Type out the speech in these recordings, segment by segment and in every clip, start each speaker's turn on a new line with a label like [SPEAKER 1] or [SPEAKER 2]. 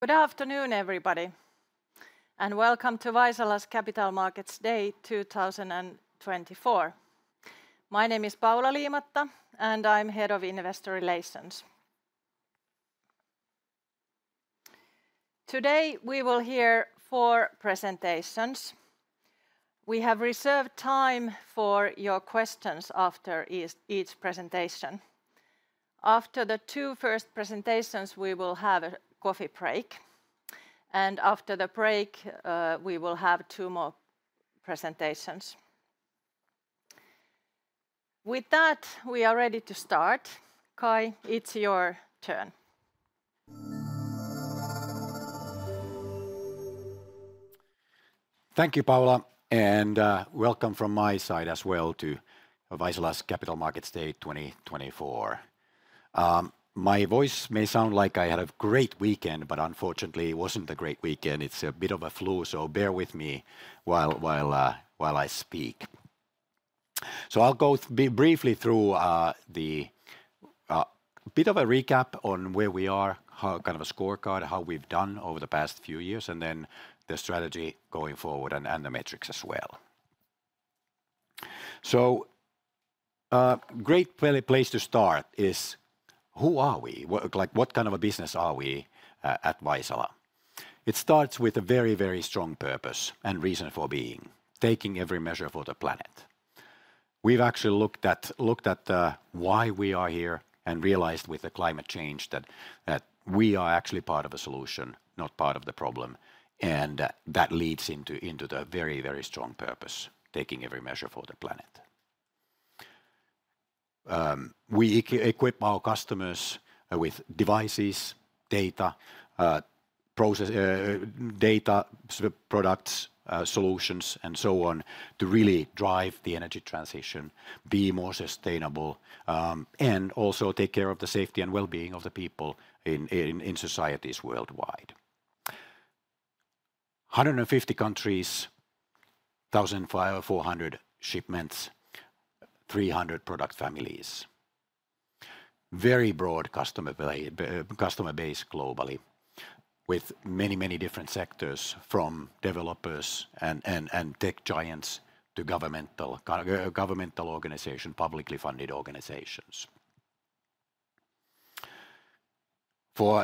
[SPEAKER 1] Good afternoon, everybody, and welcome to Vaisala's Capital Markets Day 2024. My name is Paula Liimatta, and I'm Head of Investor Relations. Today we will hear four presentations. We have reserved time for your questions after each presentation. After the two first presentations, we will have a coffee break, and after the break, we will have two more presentations. With that, we are ready to start. Kai, it's your turn.
[SPEAKER 2] Thank you Paula, and welcome from my side as well to Vaisala's Capital Markets Day 2024. My voice may sound like I had a great weekend, but unfortunately, it wasn't a great weekend. It's a bit of a flu, so bear with me while I speak. So I'll go briefly through a bit of a recap on where we are, kind of a scorecard, how we've done over the past few years, and then the strategy going forward and the metrics as well. So a great place to start is, who are we? What kind of a business are we at Vaisala? It starts with a very, very strong purpose and reason for being, taking every measure for the planet. We've actually looked at why we are here and realized with the climate change that we are actually part of a solution, not part of the problem, and that leads into the very, very strong purpose, taking every measure for the planet. We equip our customers with devices, data, products, solutions, and so on to really drive the energy transition, be more sustainable, and also take care of the safety and well-being of the people in societies worldwide. 150 countries, 1,400 shipments, 300 product families. Very broad customer base globally with many, many different sectors, from developers and tech giants to governmental organizations, publicly funded organizations. For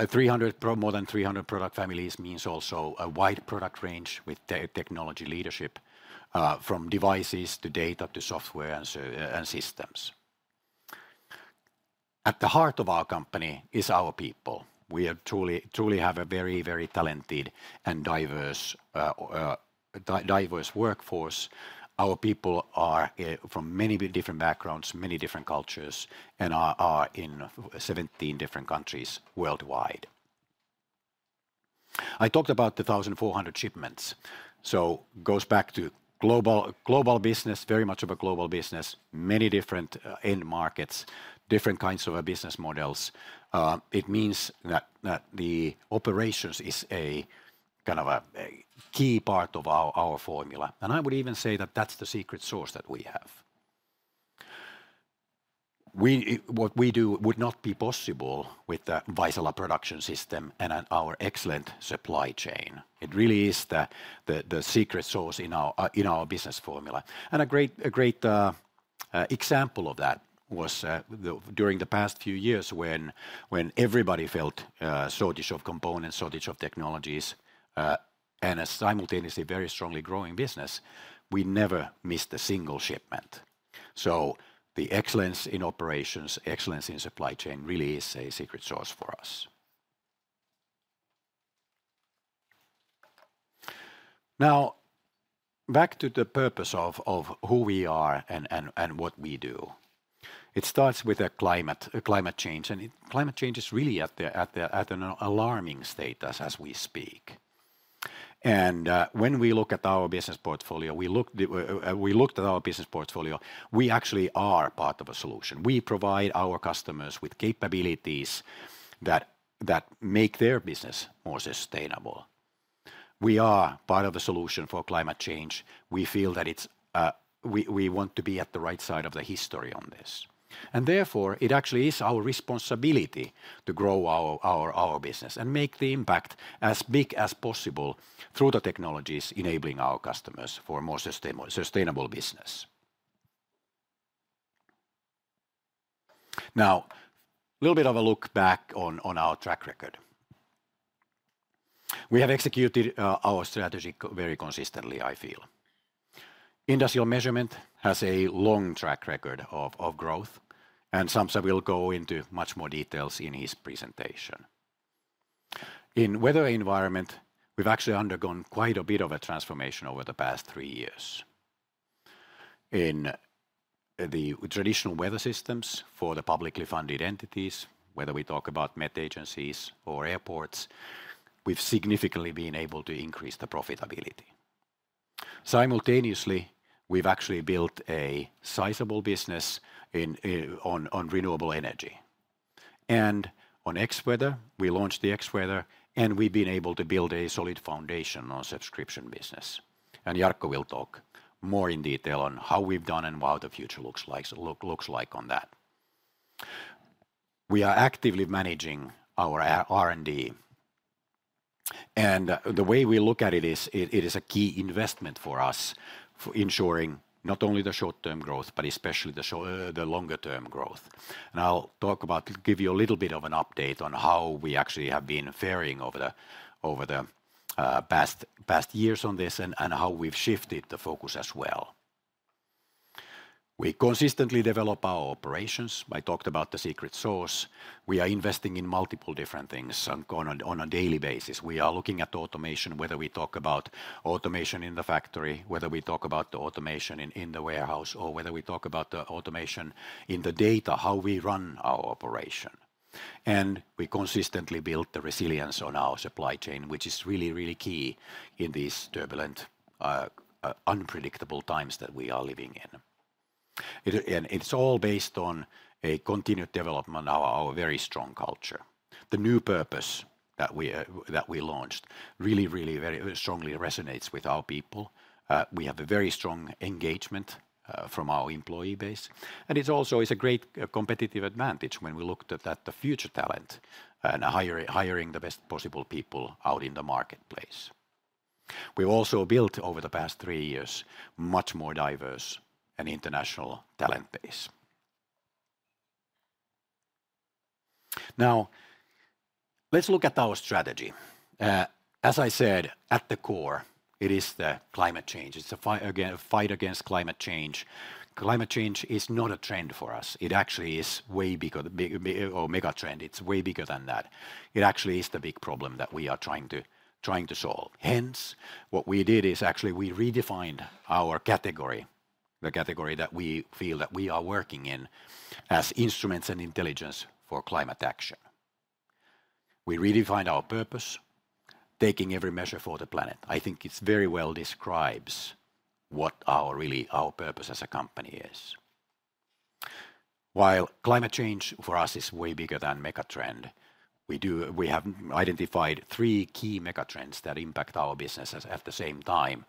[SPEAKER 2] more than 300 product families means also a wide product range with technology leadership from devices to data to software and systems. At the heart of our company is our people. We truly have a very, very talented and diverse workforce. Our people are from many different backgrounds, many different cultures, and are in 17 different countries worldwide. I talked about the 1,400 shipments, so it goes back to global business, very much of a global business, many different end markets, different kinds of business models. It means that the operations is a kind of a key part of our formula, and I would even say that that's the secret sauce that we have. What we do would not be possible with the Vaisala production system and our excellent supply chain. It really is the secret sauce in our business formula, and a great example of that was during the past few years when everybody felt shortage of components, shortage of technologies, and a simultaneously very strongly growing business. We never missed a single shipment. So the excellence in operations, excellence in supply chain really is a secret sauce for us. Now, back to the purpose of who we are and what we do. It starts with climate change, and climate change is really at an alarming state as we speak. When we look at our business portfolio, we actually are part of a solution. We provide our customers with capabilities that make their business more sustainable. We are part of the solution for climate change. We feel that we want to be at the right side of history on this. Therefore, it actually is our responsibility to grow our business and make the impact as big as possible through the technologies enabling our customers for a more sustainable business. Now, a little bit of a look back on our track record. We have executed our strategy very consistently, I feel. Industrial Measurements has a long track record of growth, and Sampsa will go into much more details in his presentation. In Weather and Environment, we've actually undergone quite a bit of a transformation over the past three years. In the traditional weather systems for the publicly funded entities, whether we talk about met agencies or airports, we've significantly been able to increase the profitability. Simultaneously, we've actually built a sizable business on renewable energy. And on Xweather, we launched the Xweather, and we've been able to build a solid foundation on subscription business. And Jarkko will talk more in detail on how we've done and what the future looks like on that. We are actively managing our R&D. And the way we look at it is it is a key investment for us, ensuring not only the short-term growth, but especially the longer-term growth. I'll talk about, give you a little bit of an update on how we actually have been faring over the past years on this and how we've shifted the focus as well. We consistently develop our operations. I talked about the secret sauce. We are investing in multiple different things on a daily basis. We are looking at automation, whether we talk about automation in the factory, whether we talk about the automation in the warehouse, or whether we talk about the automation in the data, how we run our operation. We consistently build the resilience on our supply chain, which is really, really key in these turbulent, unpredictable times that we are living in. It's all based on a continued development of our very strong culture. The new purpose that we launched really, really strongly resonates with our people. We have a very strong engagement from our employee base, and it's also a great competitive advantage when we looked at the future talent and hiring the best possible people out in the marketplace. We've also built over the past three years a much more diverse and international talent base. Now, let's look at our strategy. As I said, at the core, it is the climate change. It's a fight against climate change. Climate change is not a trend for us. It actually is way bigger, or mega trend. It's way bigger than that. It actually is the big problem that we are trying to solve. Hence, what we did is actually we redefined our category, the category that we feel that we are working in as instruments and intelligence for climate action. We redefined our purpose, taking every measure for the planet. I think it very well describes what our purpose as a company is. While climate change for us is way bigger than mega trend, we have identified three key mega trends that impact our business at the same time,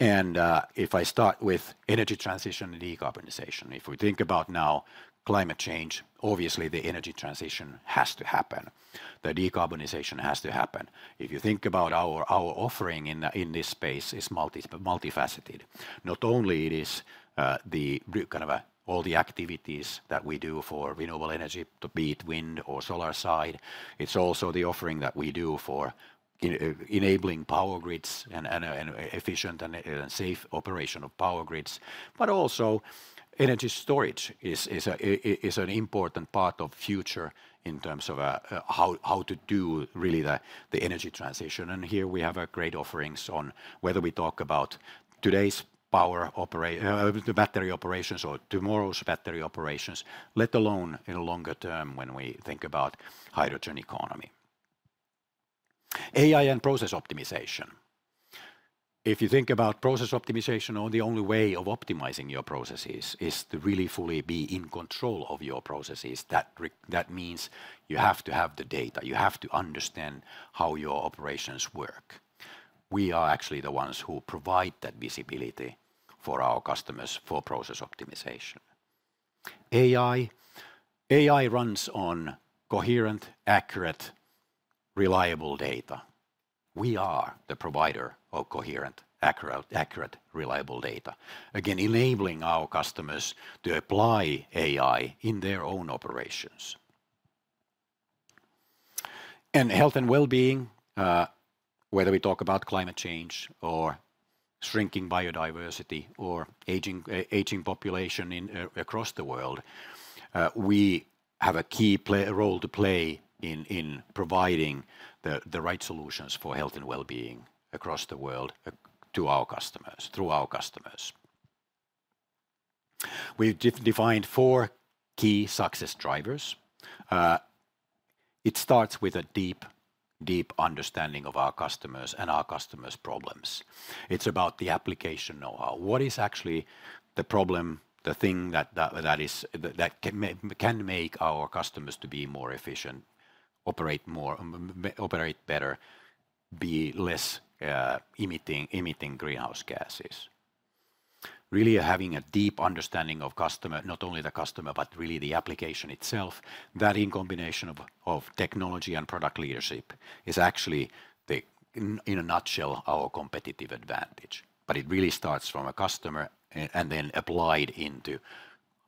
[SPEAKER 2] and if I start with energy transition and decarbonization, if we think about now, climate change, obviously the energy transition has to happen. The decarbonization has to happen. If you think about our offering in this space, it's multifaceted. Not only it is kind of all the activities that we do for renewable energy, the heat, wind, or solar side, it's also the offering that we do for enabling power grids and efficient and safe operation of power grids, but also energy storage is an important part of the future in terms of how to do really the energy transition. And here we have great offerings on whether we talk about today's power operation, the battery operations, or tomorrow's battery operations, let alone in the longer term when we think about hydrogen economy. AI and process optimization. If you think about process optimization, the only way of optimizing your processes is to really fully be in control of your processes. That means you have to have the data. You have to understand how your operations work. We are actually the ones who provide that visibility for our customers for process optimization. AI runs on coherent, accurate, reliable data. We are the provider of coherent, accurate, reliable data, again, enabling our customers to apply AI in their own operations. And health and well-being, whether we talk about climate change or shrinking biodiversity or aging population across the world, we have a key role to play in providing the right solutions for health and well-being across the world to our customers, through our customers. We've defined four key success drivers. It starts with a deep understanding of our customers and our customers' problems. It's about the application know-how. What is actually the problem, the thing that can make our customers to be more efficient, operate better, be less emitting greenhouse gases? Really having a deep understanding of customer, not only the customer, but really the application itself, that in combination of technology and product leadership is actually, in a nutshell, our competitive advantage. But it really starts from a customer and then applied into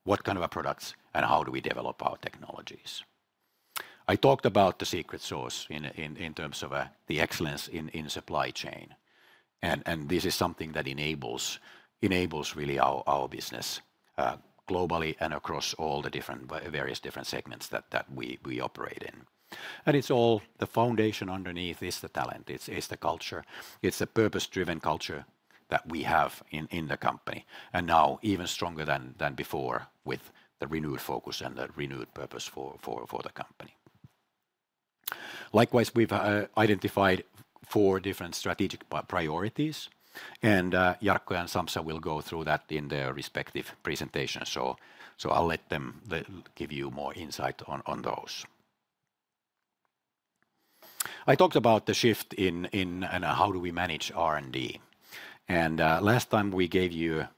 [SPEAKER 2] what kind of products and how do we develop our technologies. I talked about the secret sauce in terms of the excellence in supply chain, and this is something that enables really our business globally and across all the various different segments that we operate in. And it's all the foundation underneath is the talent. It's the culture. It's a purpose-driven culture that we have in the company, and now even stronger than before with the renewed focus and the renewed purpose for the company. Likewise, we've identified four different strategic priorities, and Jarkko and Sampsa will go through that in their respective presentations, so I'll let them give you more insight on those. I talked about the shift in how do we manage R&D, and last time we gave you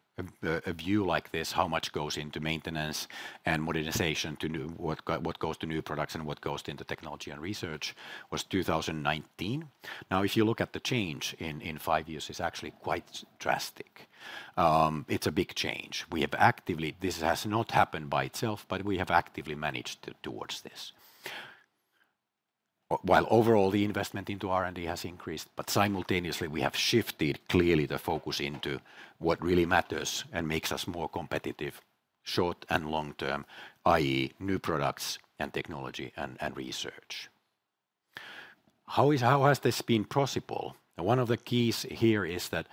[SPEAKER 2] a view like this, how much goes into maintenance and modernization to what goes to new products and what goes into technology and research was 2019. Now, if you look at the change in five years, it's actually quite drastic. It's a big change. This has not happened by itself, but we have actively managed towards this. While overall the investment into R&D has increased, but simultaneously we have shifted clearly the focus into what really matters and makes us more competitive short and long term, i.e., new products and technology and research. How has this been possible? One of the keys here is that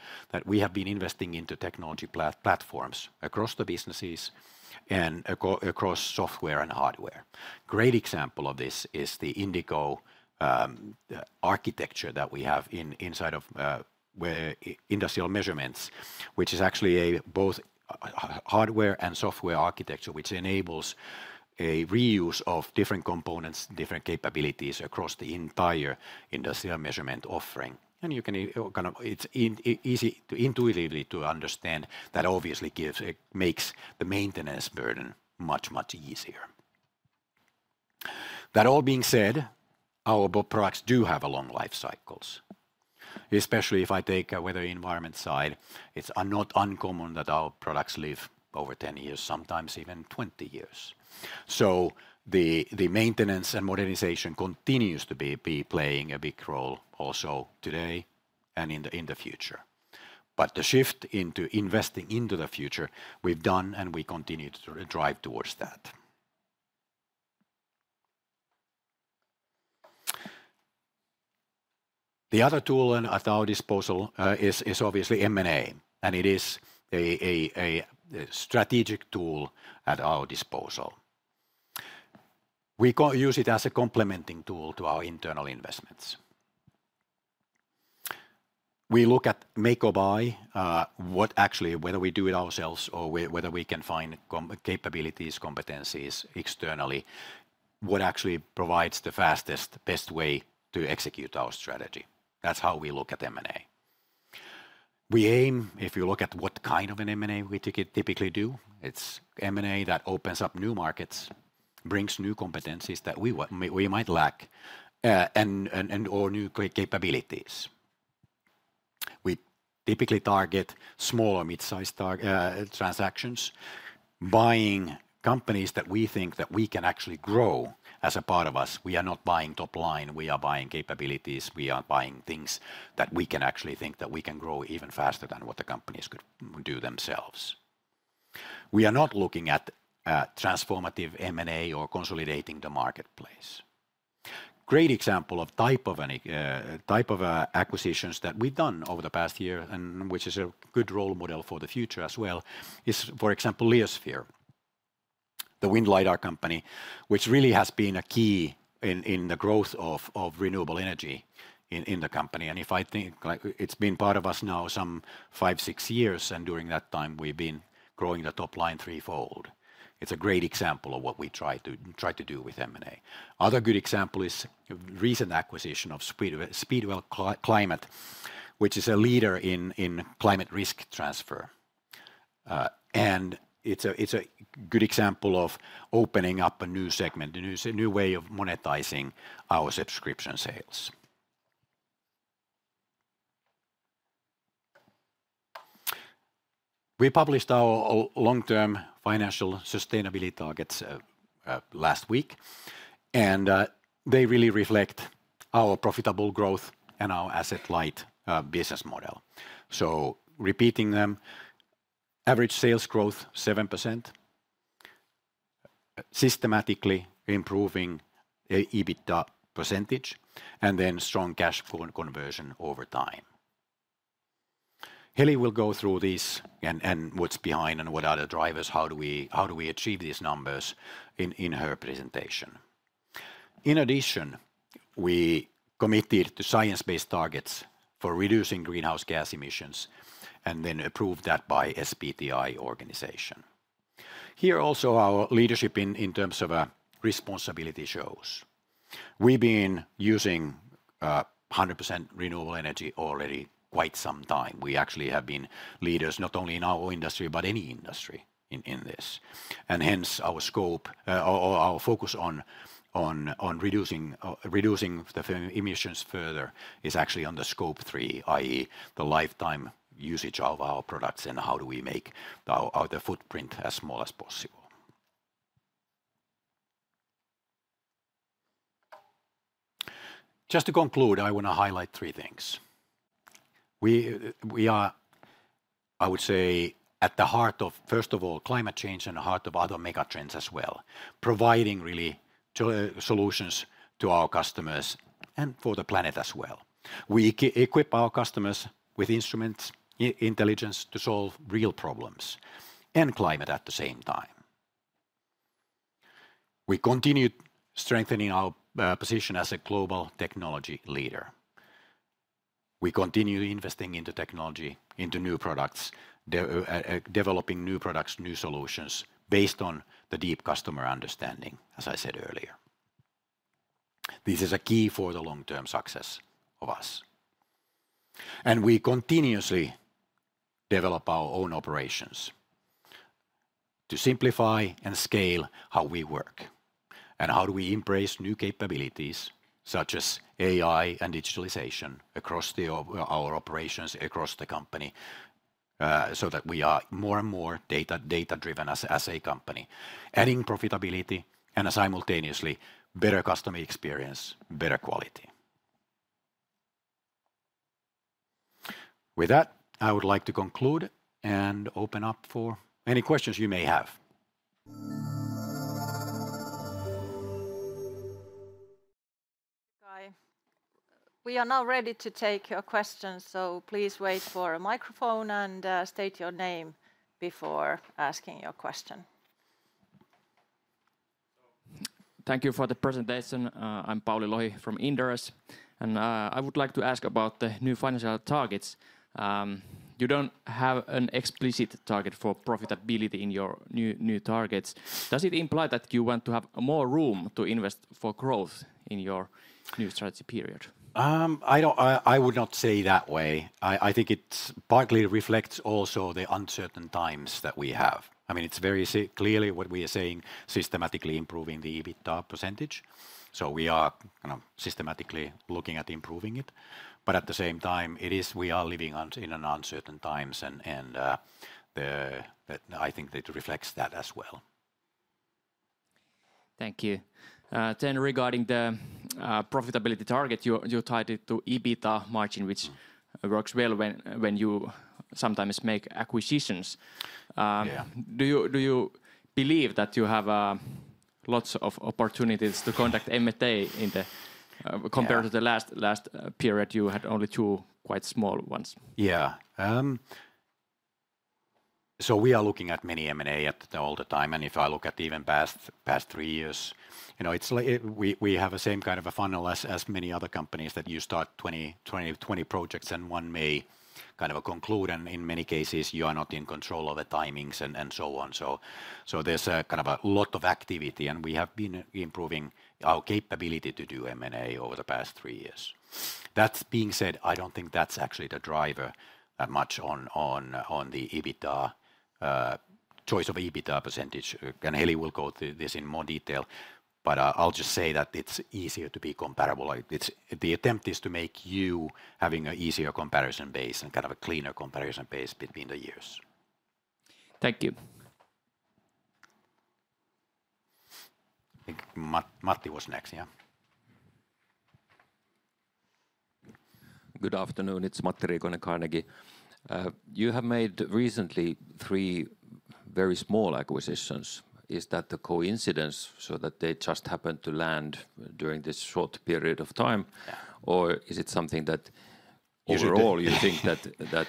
[SPEAKER 2] we have been investing into technology platforms across the businesses and across software and hardware. Great example of this is the Indigo architecture that we have inside of industrial measurements, which is actually both hardware and software architecture, which enables a reuse of different components, different capabilities across the entire industrial measurement offering, and it's easy to intuitively understand that obviously makes the maintenance burden much, much easier. That all being said, our products do have long life cycles. Especially if I take a weather environment side, it's not uncommon that our products live over 10 years, sometimes even 20 years. So the maintenance and modernization continues to be playing a big role also today and in the future. But the shift into investing into the future, we've done and we continue to drive towards that. The other tool at our disposal is obviously M&A, and it is a strategic tool at our disposal. We use it as a complementing tool to our internal investments. We look at make or buy, whether we do it ourselves or whether we can find capabilities, competencies externally, what actually provides the fastest, best way to execute our strategy. That's how we look at M&A. We aim, if you look at what kind of an M&A we typically do, it's M&A that opens up new markets, brings new competencies that we might lack, and/or new capabilities. We typically target small or mid-sized transactions, buying companies that we think that we can actually grow as a part of us. We are not buying top line. We are buying capabilities. We are not looking at transformative M&A or consolidating the marketplace. Great example of type of acquisitions that we've done over the past year, and which is a good role model for the future as well, is for example, Leosphere, the wind LiDAR company, which really has been a key in the growth of renewable energy in the company. If I think it's been part of us now some five, six years, and during that time we've been growing the top line threefold. It's a great example of what we try to do with M&A. Another good example is recent acquisition of Speedwell Climate, which is a leader in climate risk transfer. And it's a good example of opening up a new segment, a new way of monetizing our subscription sales. We published our long-term financial sustainability targets last week, and they really reflect our profitable growth and our asset-light business model. Repeating them, average sales growth 7%, systematically improving EBITDA percentage, and then strong cash conversion over time. Heli will go through this and what's behind and what are the drivers, how do we achieve these numbers in her presentation. In addition, we committed to science-based targets for reducing greenhouse gas emissions and then approved that by SBTi organization. Here also our leadership in terms of responsibility shows. We've been using 100% renewable energy already quite some time. We actually have been leaders not only in our industry, but any industry in this. And hence our scope, our focus on reducing the emissions further is actually on the Scope 3, i.e., the lifetime usage of our products and how do we make the footprint as small as possible. Just to conclude, I want to highlight three things. We are, I would say, at the heart of, first of all, climate change and the heart of other mega trends as well, providing really solutions to our customers and for the planet as well. We equip our customers with instruments, intelligence to solve real problems and climate at the same time. We continue strengthening our position as a global technology leader. We continue investing into technology, into new products, developing new products, new solutions based on the deep customer understanding, as I said earlier. This is a key for the long-term success of us. And we continuously develop our own operations to simplify and scale how we work and how do we embrace new capabilities such as AI and digitalization across our operations, across the company, so that we are more and more data-driven as a company, adding profitability and simultaneously better customer experience, better quality. With that, I would like to conclude and open up for any questions you may have.
[SPEAKER 1] We are now ready to take your questions, so please wait for a microphone and state your name before asking your question.
[SPEAKER 3] Thank you for the presentation. I'm Pauli Lohi from Inderes. And I would like to ask about the new financial targets. You don't have an explicit target for profitability in your new targets. Does it imply that you want to have more room to invest for growth in your new strategy period? I would not say that way. I think it partly reflects also the uncertain times that we have. I mean, it's very clearly what we are saying, systematically improving the EBITDA percentage. So we are kind of systematically looking at improving it. But at the same time, we are living in uncertain times, and I think it reflects that as well. Thank you. Then regarding the profitability target, you tied it to EBITDA margin, which works well when you sometimes make acquisitions. Do you believe that you have lots of opportunities to conduct M&A compared to the last period? You had only two quite small ones.
[SPEAKER 2] Yeah. We are looking at many M&A all the time. And if I look at even past three years, we have the same kind of funnel as many other companies that you start 20 projects and one may kind of conclude. And in many cases, you are not in control of the timings and so on. So there's kind of a lot of activity, and we have been improving our capability to do M&A over the past three years. That being said, I don't think that's actually the driver that much on the choice of EBITDA percentage. And Heli will go to this in more detail, but I'll just say that it's easier to be comparable. The attempt is to make you having an easier comparison base and kind of a cleaner comparison base between the years.
[SPEAKER 3] Thank you.
[SPEAKER 2] Matti was next, yeah?
[SPEAKER 4] Good afternoon. It's Matti Riikonen, Carnegie. You have made recently three very small acquisitions. Is that a coincidence so that they just happened to land during this short period of time, or is it something that overall you think that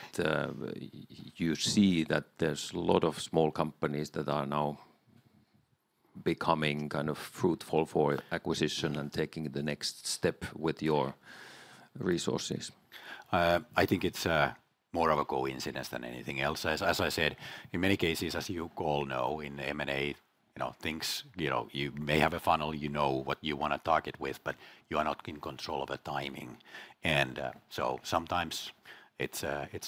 [SPEAKER 4] you see that there's a lot of small companies that are now becoming kind of fruitful for acquisition and taking the next step with your resources? I think it's more of a coincidence than anything else. As I said, in many cases, as you all know, in M&A, things you may have a funnel, you know what you want to target with, but you are not in control of the timing. And so sometimes it's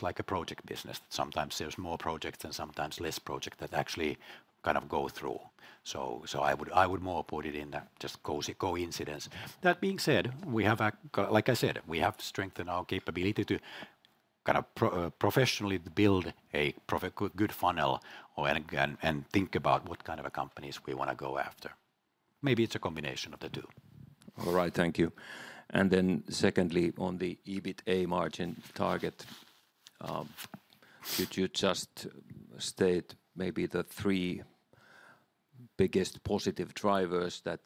[SPEAKER 4] like a project business. Sometimes there's more projects and sometimes less projects that actually kind of go through. So I would more put it in just coincidence.
[SPEAKER 2] That being said, like I said, we have strengthened our capability to kind of professionally build a good funnel and think about what kind of companies we want to go after. Maybe it's a combination of the two.
[SPEAKER 4] All right, thank you. And then secondly, on the EBITDA margin target, could you just state maybe the three biggest positive drivers that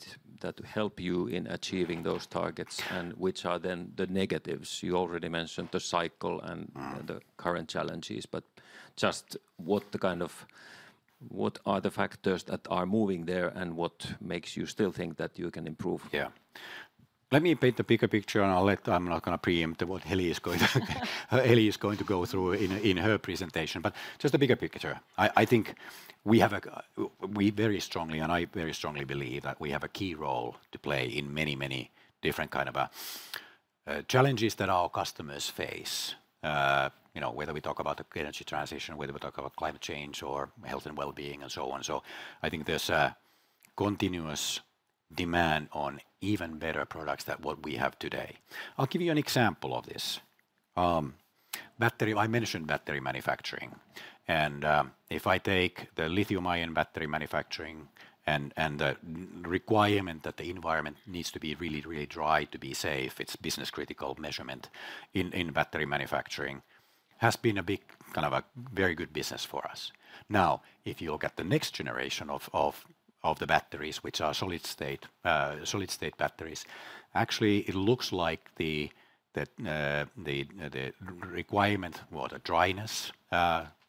[SPEAKER 4] help you in achieving those targets and which are then the negatives? You already mentioned the cycle and the current challenges, but just what are the factors that are moving there and what makes you still think that you can improve?
[SPEAKER 2] Yeah. Let me paint a bigger picture and I'll let I'm not going to preempt what Heli is going to go through in her presentation, but just a bigger picture. I think we very strongly, and I very strongly believe that we have a key role to play in many, many different kinds of challenges that our customers face, whether we talk about the energy transition, whether we talk about climate change or health and well-being and so on. So I think there's a continuous demand on even better products than what we have today. I'll give you an example of this. I mentioned battery manufacturing, and if I take the lithium-ion battery manufacturing and the requirement that the environment needs to be really, really dry to be safe. It's business-critical measurement in battery manufacturing has been a big kind of a very good business for us. Now, if you look at the next generation of the batteries, which are solid-state batteries, actually it looks like the requirement, what a dryness,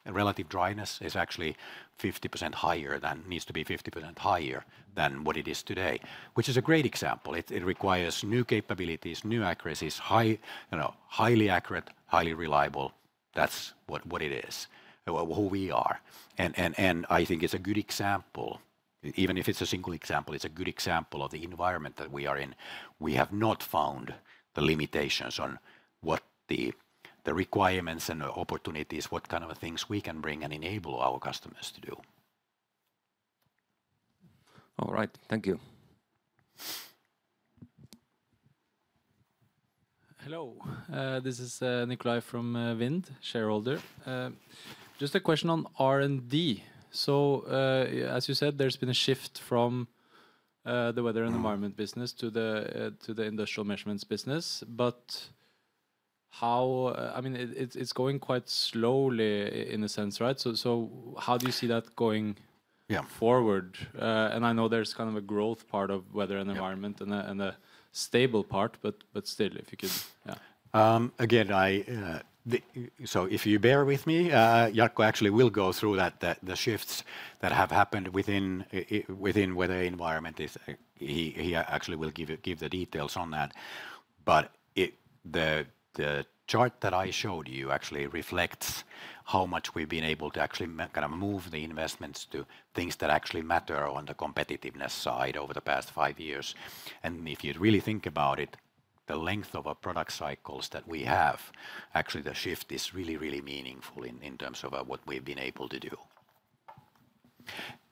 [SPEAKER 2] relative dryness is actually 50% higher than needs to be 50% higher than what it is today, which is a great example. It requires new capabilities, new accuracies, highly accurate, highly reliable. That's what it is, who we are and I think it's a good example, even if it's a single example, it's a good example of the environment that we are in. We have not found the limitations on what the requirements and opportunities, what kind of things we can bring and enable our customers to do.
[SPEAKER 4] All right, thank you. Hello, this is Nikolai from Wind, shareholder. Just a question on R&D. So as you said, there's been a shift from the weather and environment business to the industrial measurements business, but how, I mean, it's going quite slowly in a sense, right? So how do you see that going forward? And I know there's kind of a growth part of weather and environment and a stable part, but still, if you could, yeah. Again, so if you bear with me, Jarkko actually will go through the shifts that have happened within weather environment. He actually will give the details on that. But the chart that I showed you actually reflects how much we've been able to actually kind of move the investments to things that actually matter on the competitiveness side over the past five years. If you really think about it, the length of our product cycles that we have, actually the shift is really, really meaningful in terms of what we've been able to do.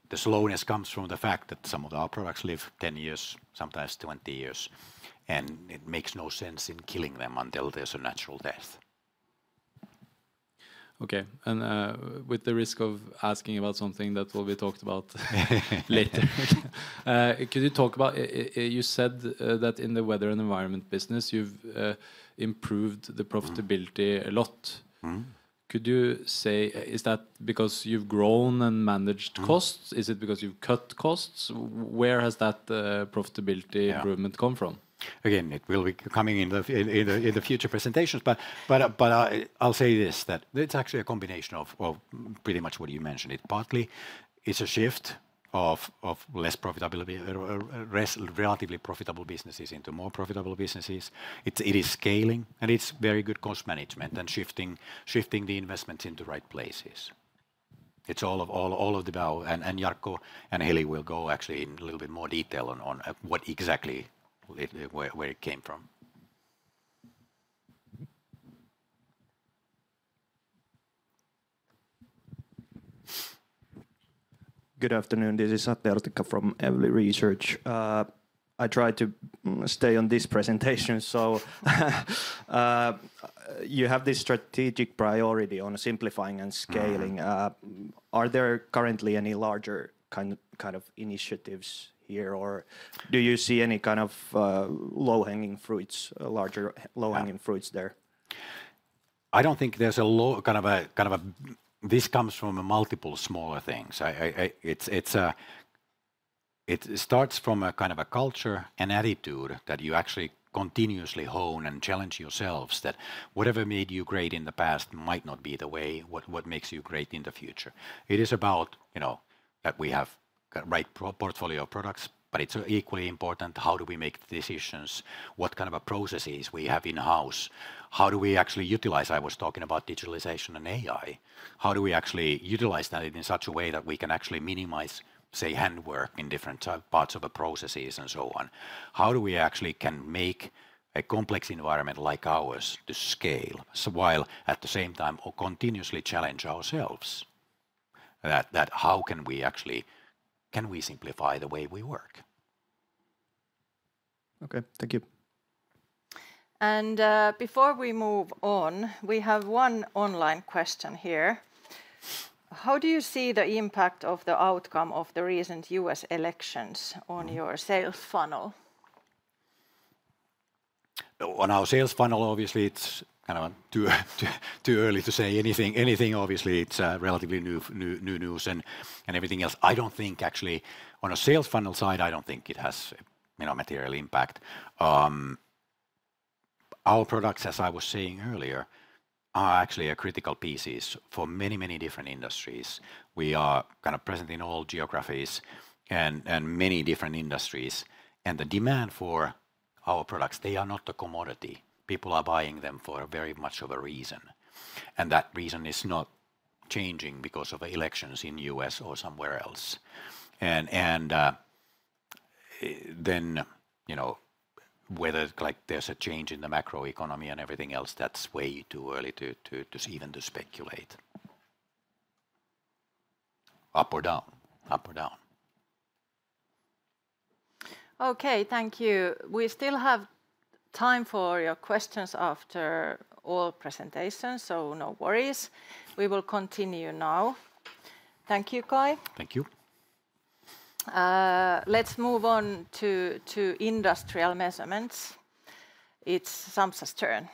[SPEAKER 4] The slowness comes from the fact that some of our products live 10 years, sometimes 20 years, and it makes no sense in killing them until there's a natural death. Okay, and with the risk of asking about something that will be talked about later, could you talk about, you said that in the weather and environment business, you've improved the profitability a lot. Could you say, is that because you've grown and managed costs? Is it because you've cut costs? Where has that profitability improvement come from? Again, it will be coming in the future presentations, but I'll say this that it's actually a combination of pretty much what you mentioned. It partly is a shift from less profitable, relatively profitable businesses into more profitable businesses. It is scaling, and it's very good cost management and shifting the investments into the right places. It's all of the above, and Jarkko and Heli will go actually in a little bit more detail on what exactly where it came from. Good afternoon, this is Atte Erikka from Evli Research. I tried to stay on this presentation, so you have this strategic priority on simplifying and scaling. Are there currently any larger kind of initiatives here, or do you see any kind of low-hanging fruits, larger low-hanging fruits there? I don't think there's a kind of, this comes from multiple smaller things. It starts from a kind of a culture and attitude that you actually continuously hone and challenge yourselves that whatever made you great in the past might not be the way what makes you great in the future. It is about that we have the right portfolio of products, but it's equally important how do we make decisions, what kind of a processes we have in-house, how do we actually utilize, I was talking about digitalization and AI, how do we actually utilize that in such a way that we can actually minimize, say, handwork in different parts of the processes and so on. How do we actually can make a complex environment like ours to scale while at the same time continuously challenge ourselves? That how can we actually, can we simplify the way we work? Okay, thank you. Before we move on, we have one online question here. How do you see the impact of the outcome of the recent U.S. elections on your sales funnel? On our sales funnel, obviously, it's kind of too early to say anything. Obviously, it's relatively new news and everything else. I don't think actually on a sales funnel side, I don't think it has material impact. Our products, as I was saying earlier, are actually a critical piece for many, many different industries. We are kind of present in all geographies and many different industries. And the demand for our products, they are not a commodity. People are buying them for very much of a reason. And that reason is not changing because of elections in the U.S. or somewhere else. And then whether there's a change in the macro economy and everything else, that's way too early to even speculate. Up or down. Up or down.
[SPEAKER 1] Okay, thank you. We still have time for your questions after all presentations, so no worries. We will continue now. Thank you, Kai.
[SPEAKER 2] Thank you.
[SPEAKER 1] Let's move on to Industrial Measurements. It's Sampsa's turn.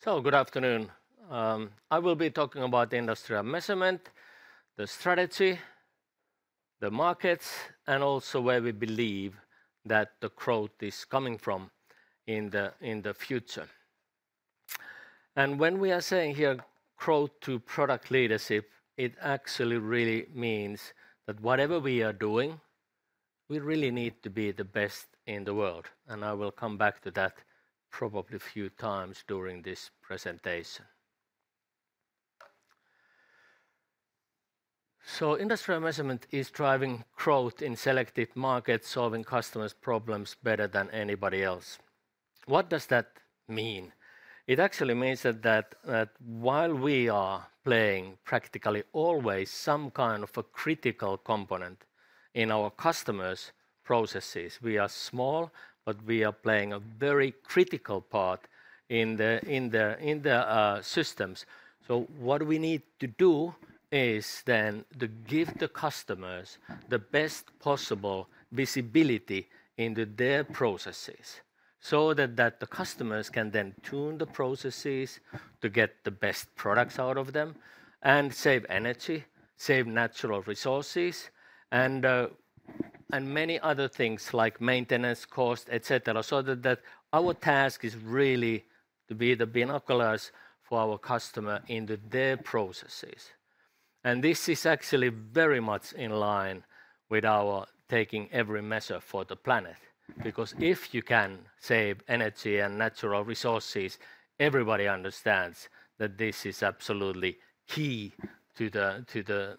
[SPEAKER 1] So good afternoon. I will be talking about Industrial Measurements, the strategy, the markets, and also where we believe that the growth is coming from in the future. And when we are saying here growth to product leadership, it actually really means that whatever we are doing, we really need to be the best in the world. And I will come back to that probably a few times during this presentation. So Industrial Measurements is driving growth in selected markets, solving customers' problems better than anybody else.
[SPEAKER 2] What does that mean? It actually means that while we are playing practically always some kind of a critical component in our customers' processes, we are small, but we are playing a very critical part in the systems. So what we need to do is then to give the customers the best possible visibility into their processes so that the customers can then tune the processes to get the best products out of them and save energy, save natural resources, and many other things like maintenance costs, etc. So that our task is really to be the binoculars for our customer into their processes. And this is actually very much in line with our taking every measure for the planet. Because if you can save energy and natural resources, everybody understands that this is absolutely key to the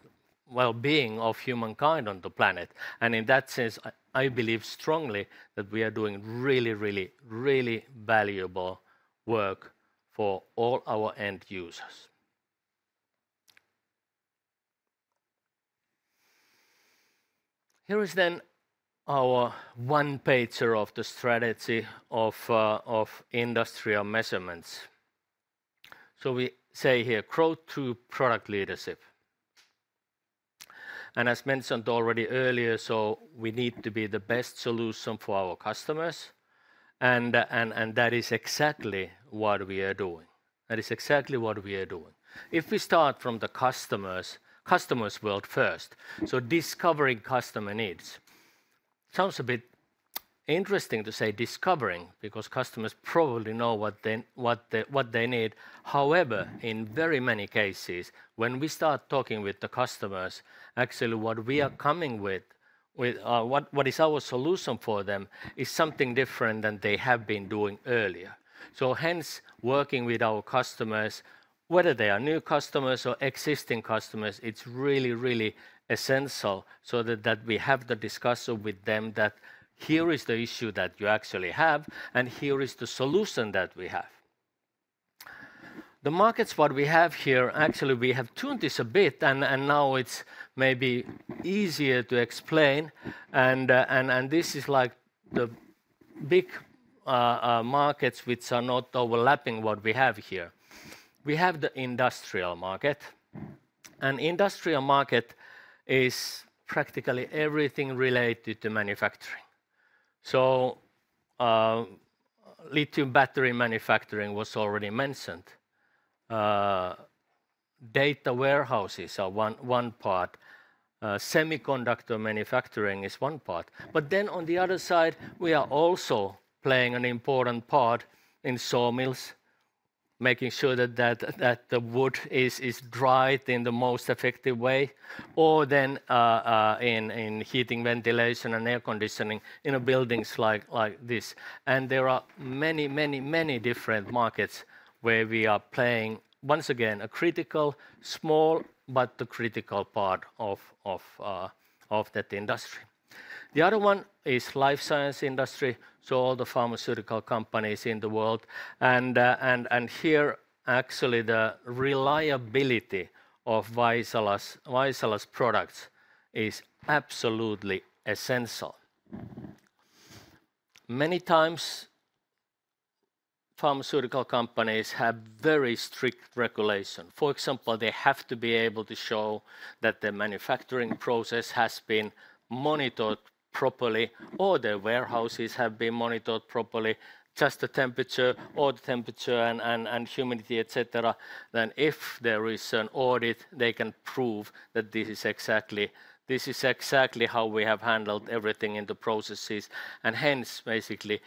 [SPEAKER 2] well-being of humankind on the planet. In that sense, I believe strongly that we are doing really, really, really valuable work for all our end users. Here is then our one-pager of the strategy of industrial measurements. We say here, growth to product leadership. As mentioned already earlier, so we need to be the best solution for our customers. That is exactly what we are doing. That is exactly what we are doing. If we start from the customers, customers world first. Discovering customer needs. Sounds a bit interesting to say discovering because customers probably know what they need. However, in very many cases, when we start talking with the customers, actually what we are coming with, what is our solution for them is something different than they have been doing earlier. So hence, working with our customers, whether they are new customers or existing customers, it's really, really essential so that we have the discussion with them that here is the issue that you actually have and here is the solution that we have. The markets what we have here, actually we have tuned this a bit, and now it's maybe easier to explain, and this is like the big markets which are not overlapping what we have here. We have the industrial market, and industrial market is practically everything related to manufacturing, so lithium battery manufacturing was already mentioned. Data warehouses are one part. Semiconductor manufacturing is one part, but then on the other side, we are also playing an important part in sawmills, making sure that the wood is dried in the most effective way, or then in heating, ventilation, and air conditioning in buildings like this. There are many, many, many different markets where we are playing, once again, a critical, small, but the critical part of that industry. The other one is life science industry, so all the pharmaceutical companies in the world. Here, actually, the reliability of Vaisala's products is absolutely essential. Many times, pharmaceutical companies have very strict regulation. For example, they have to be able to show that the manufacturing process has been monitored properly, or the warehouses have been monitored properly, just the temperature, or the temperature and humidity, etc. Then if there is an audit, they can prove that this is exactly how we have handled everything in the processes. Hence, basically,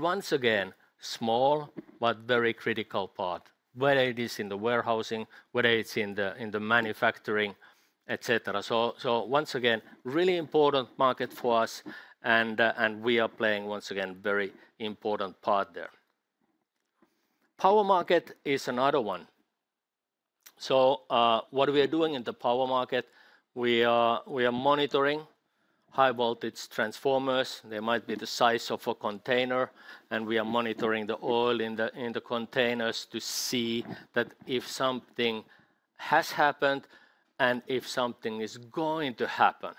[SPEAKER 2] once again, small, but very critical part, whether it is in the warehousing, whether it's in the manufacturing, etc. So once again, really important market for us, and we are playing once again a very important part there. Power market is another one. So what we are doing in the power market, we are monitoring high voltage transformers. They might be the size of a container, and we are monitoring the oil in the containers to see that if something has happened and if something is going to happen.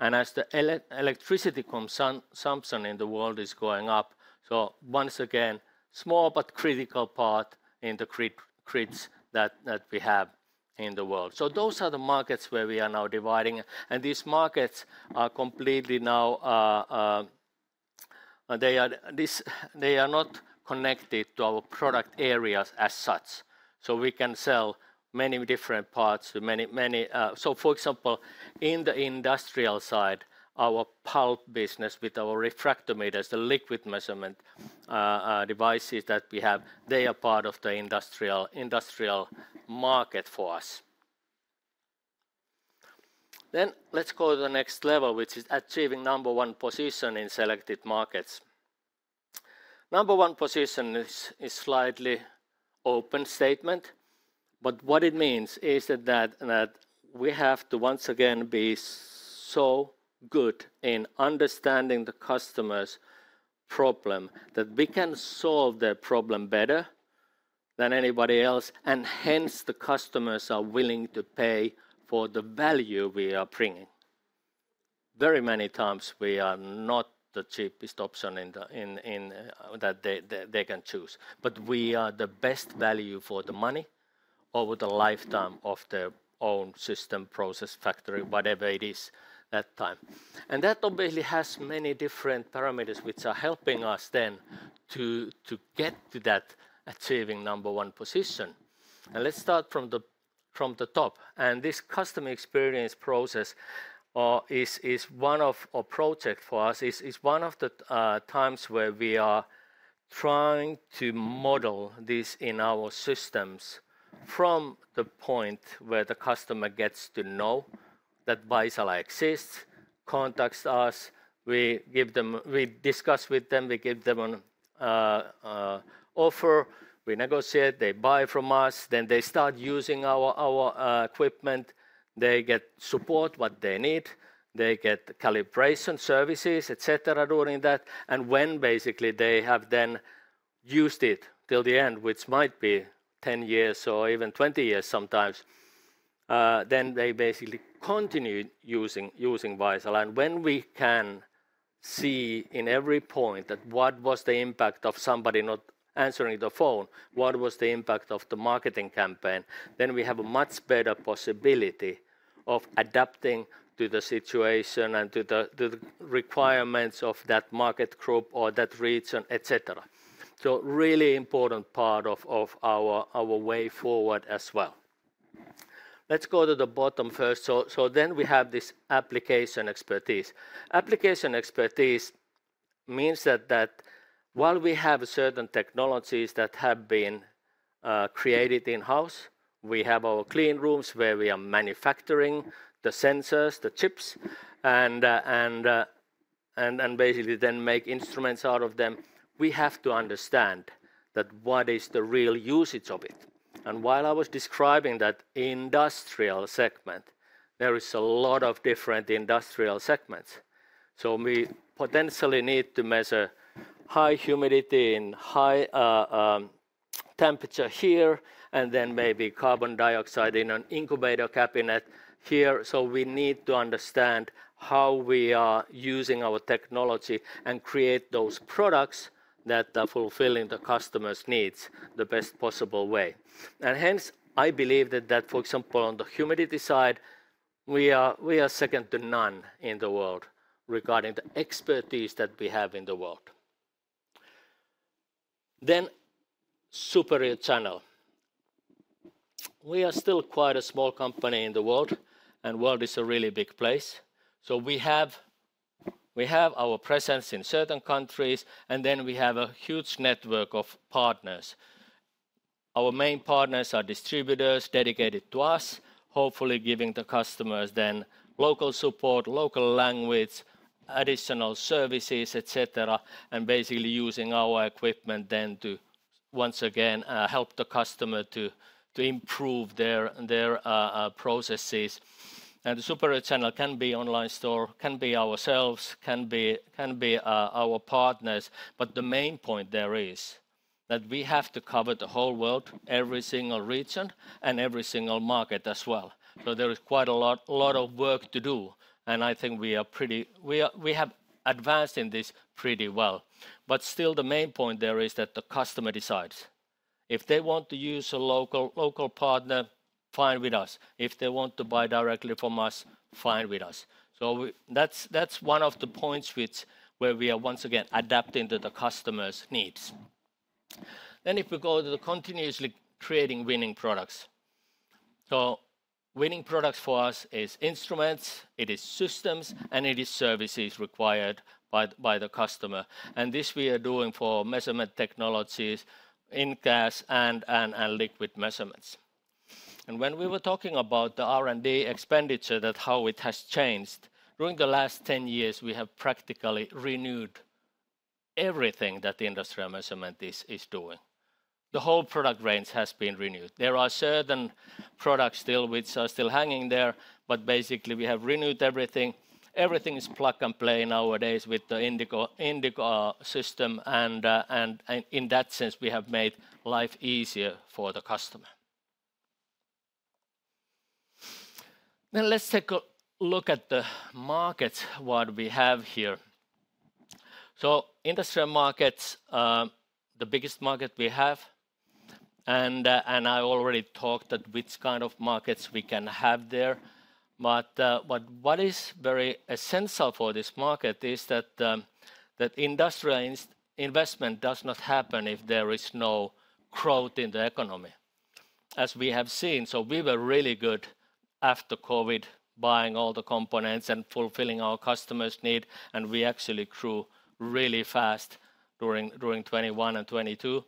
[SPEAKER 2] And as the electricity consumption in the world is going up, so once again, small but critical part in the grids that we have in the world. So those are the markets where we are now dividing. And these markets are completely now. They are not connected to our product areas as such. So we can sell many different parts to many, many. So for example, in the industrial side, our pulp business with our refractometers, the Liquid Measurement devices that we have, they are part of the industrial market for us. Then let's go to the next level, which is achieving number one position in selected markets. Number one position is slightly open statement, but what it means is that we have to once again be so good in understanding the customer's problem that we can solve their problem better than anybody else, and hence the customers are willing to pay for the value we are bringing. Very many times we are not the cheapest option that they can choose, but we are the best value for the money over the lifetime of their own system, process, factory, whatever it is that time. That obviously has many different parameters which are helping us then to get to that achieving number one position. Let's start from the top. This customer experience process is one of our projects for us, is one of the times where we are trying to model this in our systems from the point where the customer gets to know that Vaisala exists, contacts us, we discuss with them, we give them an offer, we negotiate, they buy from us, then they start using our equipment, they get support, what they need, they get calibration services, etc. during that. When basically they have then used it till the end, which might be 10 years or even 20 years sometimes, then they basically continue using Vaisala. And when we can see in every point that what was the impact of somebody not answering the phone, what was the impact of the marketing campaign, then we have a much better possibility of adapting to the situation and to the requirements of that market group or that region, etc. So really important part of our way forward as well. Let's go to the bottom first. So then we have this application expertise. Application expertise means that while we have certain technologies that have been created in-house, we have our clean rooms where we are manufacturing the sensors, the chips, and basically then make instruments out of them, we have to understand that what is the real usage of it. And while I was describing that Industrial segment, there is a lot of different Industrial segment. So, we potentially need to measure high humidity and high temperature here, and then maybe carbon dioxide in an incubator cabinet here. So, we need to understand how we are using our technology and create those products that are fulfilling the customer's needs the best possible way. And hence, I believe that, for example, on the humidity side, we are second to none in the world regarding the expertise that we have in the world. Then, superior channel. We are still quite a small company in the world, and the world is a really big place. So, we have our presence in certain countries, and then we have a huge network of partners. Our main partners are distributors dedicated to us, hopefully giving the customers then local support, local language, additional services, etc., and basically using our equipment then to once again help the customer to improve their processes. And the superior channel can be online store, can be ourselves, can be our partners, but the main point there is that we have to cover the whole world, every single region, and every single market as well. So there is quite a lot of work to do, and I think we have advanced in this pretty well. But still, the main point there is that the customer decides. If they want to use a local partner, fine with us. If they want to buy directly from us, fine with us. So that's one of the points where we are once again adapting to the customer's needs. Then if we go to the continuously creating winning products. So winning products for us is instruments, it is systems, and it is services required by the customer. And this we are doing for measurement technologies in gas and Liquid Measurements. When we were talking about the R&D expenditure, that's how it has changed. During the last 10 years, we have practically renewed everything that the industrial measurement is doing. The whole product range has been renewed. There are certain products still which are still hanging there, but basically we have renewed everything. Everything is plug and play nowadays with the Indigo system, and in that sense, we have made life easier for the customer. Then let's take a look at the markets what we have here. So industrial markets, the biggest market we have, and I already talked that which kind of markets we can have there. But what is very essential for this market is that industrial investment does not happen if there is no growth in the economy. As we have seen, we were really good after COVID buying all the components and fulfilling our customer's need, and we actually grew really fast during 2021 and 2022.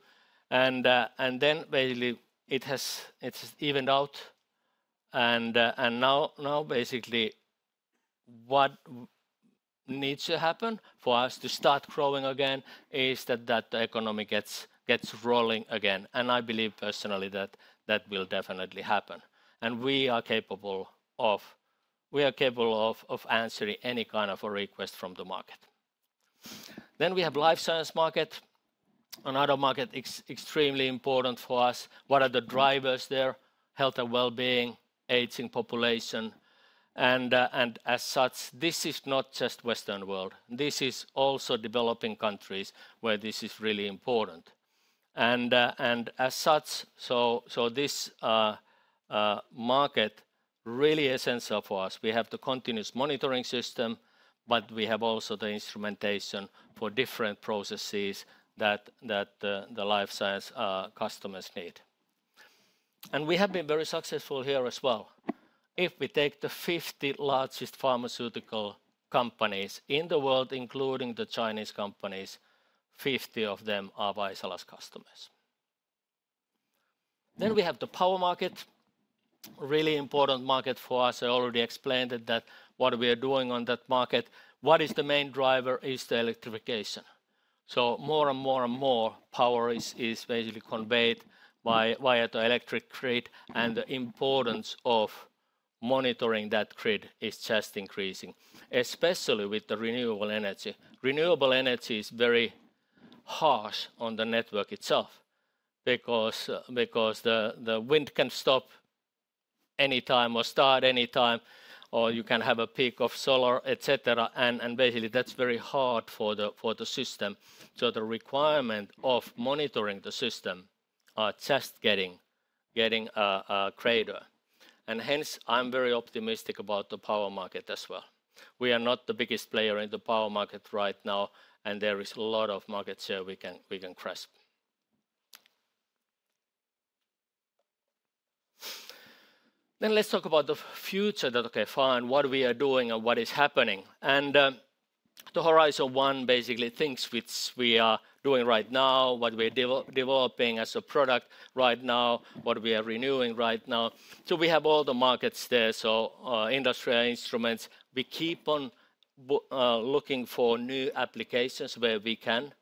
[SPEAKER 2] Then it has basically evened out. Now what needs to happen for us to start growing again is that the economy gets rolling again. I believe personally that that will definitely happen. We are capable of answering any kind of a request from the market. Then we have the life science market. Another market extremely important for us. What are the drivers there? Health and well-being, aging population. As such, this is not just the Western world. This is also developing countries where this is really important. As such, this market is really essential for us. We have the Continuous Monitoring System, but we have also the instrumentation for different processes that the life science customers need. And we have been very successful here as well. If we take the 50 largest pharmaceutical companies in the world, including the Chinese companies, 50 of them are Vaisala's customers. Then we have the power market. Really important market for us. I already explained that what we are doing on that market. What is the main driver is the electrification. So more and more and more power is basically conveyed via the electric grid, and the importance of monitoring that grid is just increasing, especially with the renewable energy. Renewable energy is very harsh on the network itself because the wind can stop anytime or start anytime, or you can have a peak of solar, etc. And basically that's very hard for the system. The requirements of monitoring the system are just getting greater. Hence, I'm very optimistic about the power market as well. We are not the biggest player in the power market right now, and there is a lot of market share we can grasp. Then let's talk about the future, that okay, fine, what we are doing and what is happening. And the Horizon One basically things which we are doing right now, what we are developing as a product right now, what we are renewing right now. So we have all the markets there, so industrial instruments. We keep on looking for new applications where we can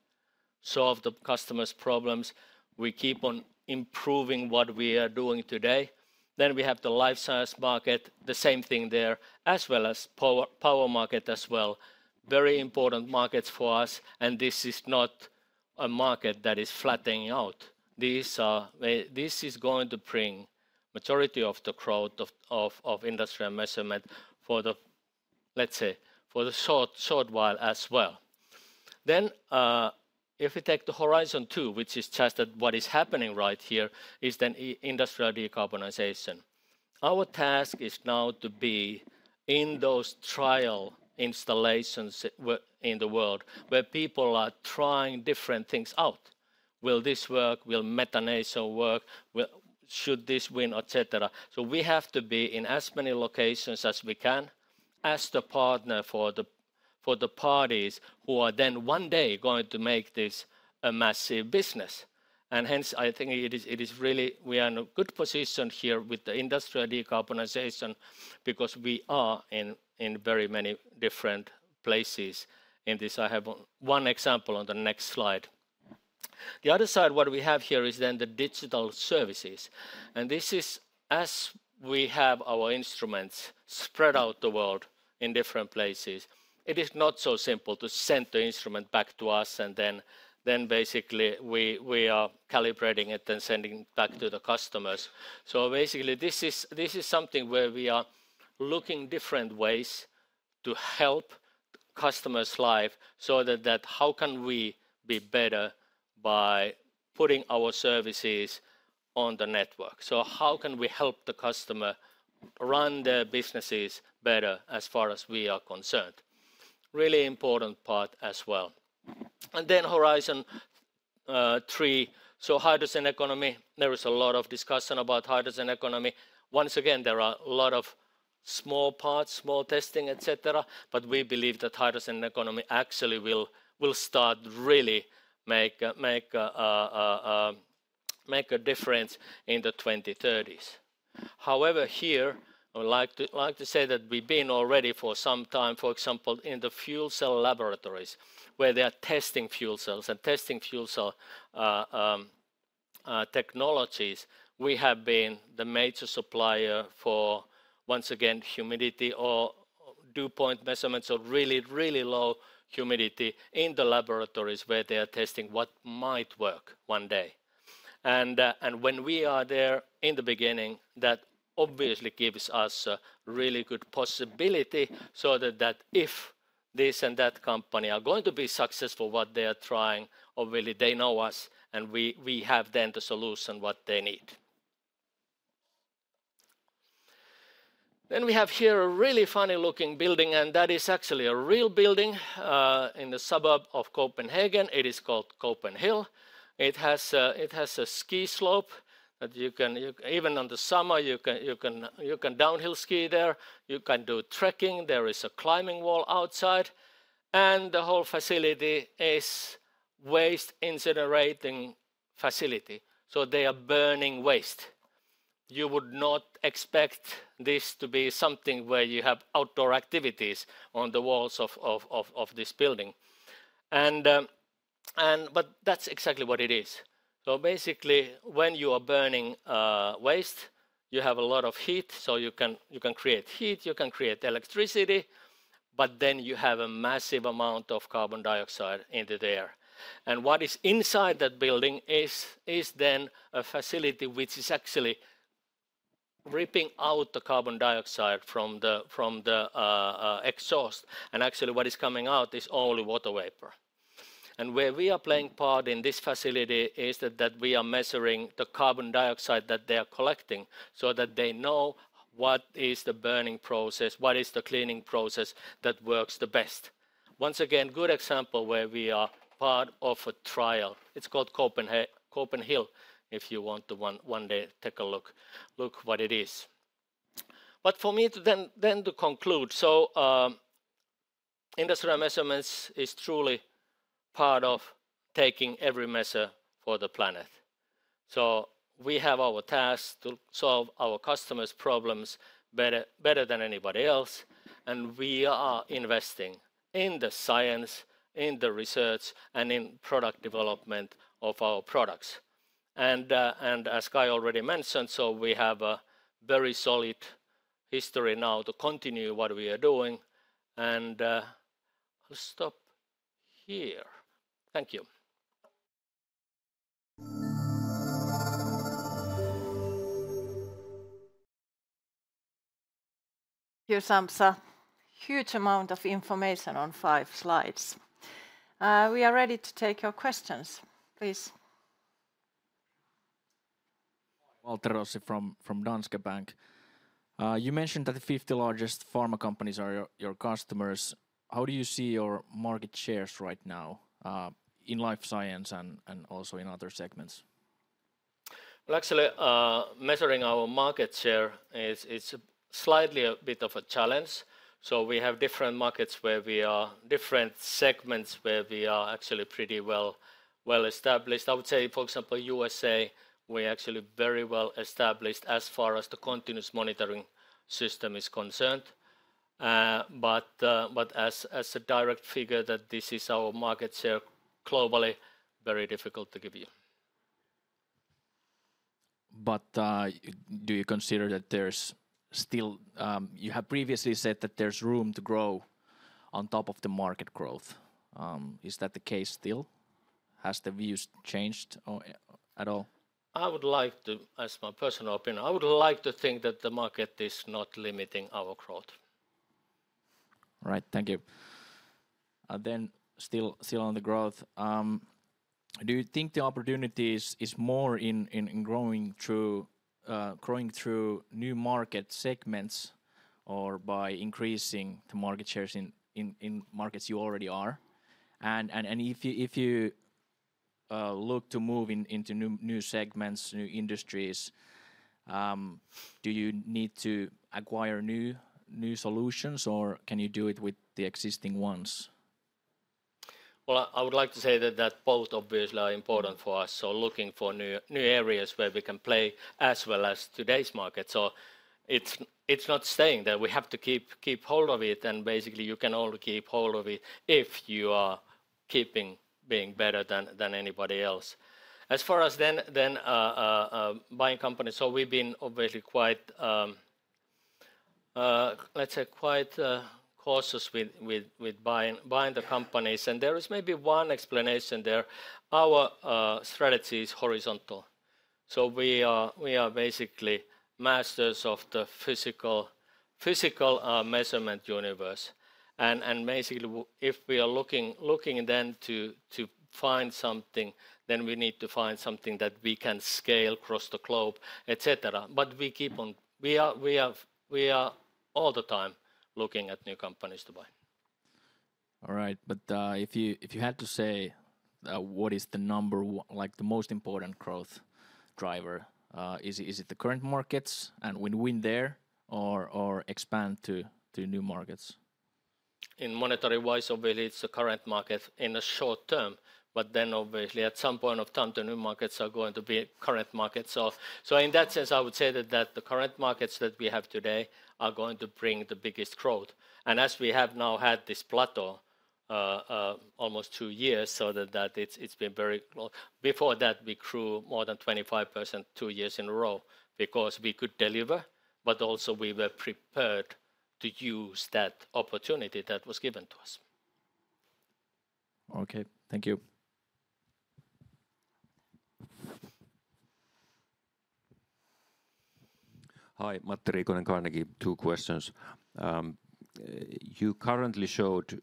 [SPEAKER 2] solve the customer's problems. We keep on improving what we are doing today. Then we have the life science market, the same thing there, as well as power market as well. Very important markets for us, and this is not a market that is flattening out. This is going to bring the majority of the growth of industrial measurement for the, let's say, for the short while as well. Then if we take the Horizon Two, which is just that what is happening right here is then industrial decarbonization. Our task is now to be in those trial installations in the world where people are trying different things out. Will this work? Will methanation work? Should this win, etc.? So we have to be in as many locations as we can as the partner for the parties who are then one day going to make this a massive business. And hence I think it is really, we are in a good position here with the industrial decarbonization because we are in very many different places in this. I have one example on the next slide. The other side, what we have here is then the digital services, and this is as we have our instruments spread out the world in different places, it is not so simple to send the instrument back to us, and then basically we are calibrating it and sending back to the customers, so basically this is something where we are looking different ways to help customers' life so that how can we be better by putting our services on the network, so how can we help the customer run their businesses better as far as we are concerned. Really important part as well, and then Horizon Three, so hydrogen economy. There is a lot of discussion about hydrogen economy. Once again, there are a lot of small parts, small testing, etc., but we believe that hydrogen economy actually will start really make a difference in the 2030s. However, here I would like to say that we've been already for some time, for example, in the fuel cell laboratories where they are testing fuel cells and testing fuel cell technologies. We have been the major supplier for once again humidity or dew point measurements or really, really low humidity in the laboratories where they are testing what might work one day. And when we are there in the beginning, that obviously gives us a really good possibility so that if this and that company are going to be successful, what they are trying, or really they know us and we have then the solution what they need. We have here a really funny looking building, and that is actually a real building in the suburb of Copenhagen. It is called CopenHill. It has a ski slope that you can, even in the summer, you can downhill ski there. You can do trekking. There is a climbing wall outside. And the whole facility is waste incinerating facility. So they are burning waste. You would not expect this to be something where you have outdoor activities on the walls of this building. But that's exactly what it is. So basically when you are burning waste, you have a lot of heat, so you can create heat, you can create electricity, but then you have a massive amount of carbon dioxide into the air. And what is inside that building is then a facility which is actually ripping out the carbon dioxide from the exhaust. And actually what is coming out is only water vapor. And where we are playing part in this facility is that we are measuring the carbon dioxide that they are collecting so that they know what is the burning process, what is the cleaning process that works the best. Once again, good example where we are part of a trial. It's called CopenHill if you want to one day take a look what it is. But for me then to conclude, so industrial measurements is truly part of taking every measure for the planet. So we have our task to solve our customers' problems better than anybody else, and we are investing in the science, in the research, and in product development of our products. And as Kai already mentioned, so we have a very solid history now to continue what we are doing. And I'll stop here. Thank you. Here's some huge amount of information on five slides. We are ready to take your questions. Please. Valtteri Rossi from Danske Bank. You mentioned that the 50 largest pharma companies are your customers. How do you see your market shares right now in life science and also in other segments? Well, actually measuring our market share is slightly a bit of a challenge. So we have different markets where we are different segments where we are actually pretty well established. I would say, for example, USA, we are actually very well established as far as the continuous monitoring system is concerned. But as a direct figure that this is our market share globally, very difficult to give you. But do you consider that there's still, you have previously said that there's room to grow on top of the market growth. Is that the case still? Has the views changed at all? I would like to, as my personal opinion, I would like to think that the market is not limiting our growth. Right, thank you. Then still on the growth, do you think the opportunity is more in growing through new market segments or by increasing the market shares in markets you already are? And if you look to move into new segments, new industries, do you need to acquire new solutions or can you do it with the existing ones? Well, I would like to say that both obviously are important for us. So looking for new areas where we can play as well as today's market. So it's not saying that we have to keep hold of it and basically you can only keep hold of it if you are keeping being better than anybody else. As far as then buying companies, so we've been obviously quite, let's say, quite cautious with buying the companies. There is maybe one explanation there. Our strategy is horizontal. We are basically masters of the physical measurement universe. Basically, if we are looking then to find something, then we need to find something that we can scale across the globe, etc. We keep on, we are all the time looking at new companies to buy. All right, but if you had to say what is the number, like the most important growth driver, is it the current markets and win-win there or expand to new markets? In monetary wise, obviously it's the current market in the short term, but then obviously at some point of time the new markets are going to be current markets. So in that sense, I would say that the current markets that we have today are going to bring the biggest growth. And as we have now had this plateau almost two years, so that it's been very long. Before that, we grew more than 25% two years in a row because we could deliver, but also we were prepared to use that opportunity that was given to us. Okay, thank you.
[SPEAKER 4] Hi, Matti Riikonen, Carnegie, two questions. You currently showed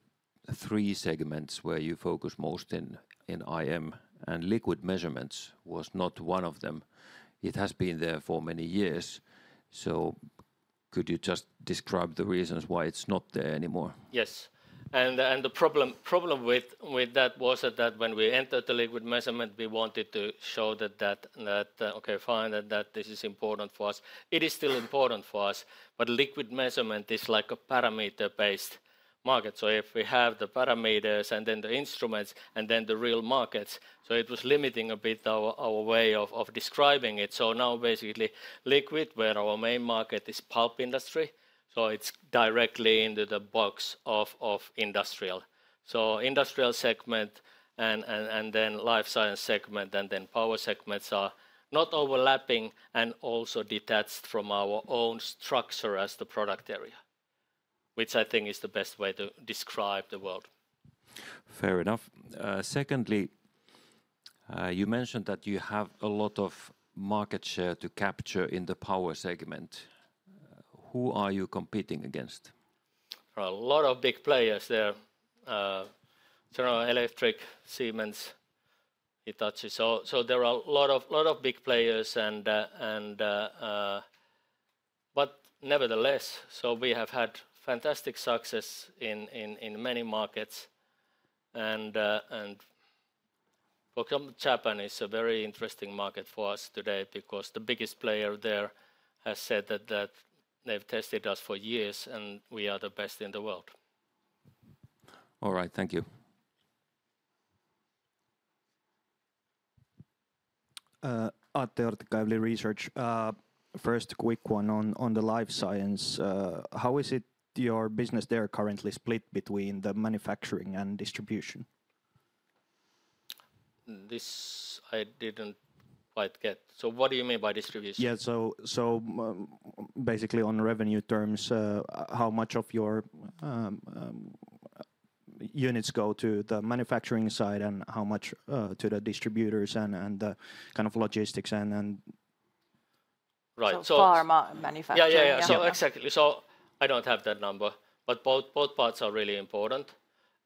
[SPEAKER 4] three segments where you focus most in IM, and liquid measurements was not one of them. It has been there for many years. So could you just describe the reasons why it's not there anymore?
[SPEAKER 2] Yes. And the problem with that was that when we entered the liquid measurement, we wanted to show that, okay, fine, that this is important for us. It is still important for us, but liquid measurement is like a parameter-based market. So if we have the parameters and then the instruments and then the real markets, so it was limiting a bit our way of describing it. So now basically liquid, where our main market is pulp industry, so it's directly into the box of industrial. So Industrial segment and then Life Science segment and then Power segments are not overlapping and also detached from our own structure as the product area, which I think is the best way to describe the world. Fair enough. Secondly, you mentioned that you have a lot of market share to capture in the Power segment. Who are you competing against? There are a lot of big players there. General Electric, Siemens, Hitachi. So there are a lot of big players. But nevertheless, so we have had fantastic success in many markets. And for example, Japan is a very interesting market for us today because the biggest player there has said that they've tested us for years and we are the best in the world. All right, thank you. At the Evli Research, first quick one on the life science. How is it your business there currently split between the manufacturing and distribution? This I didn't quite get. So what do you mean by distribution?
[SPEAKER 4] Yeah, so basically on revenue terms, how much of your units go to the manufacturing side and how much to the distributors and the kind of logistics and the pharma manufacturing?
[SPEAKER 2] Yeah, yeah, yeah, exactly. So I don't have that number, but both parts are really important.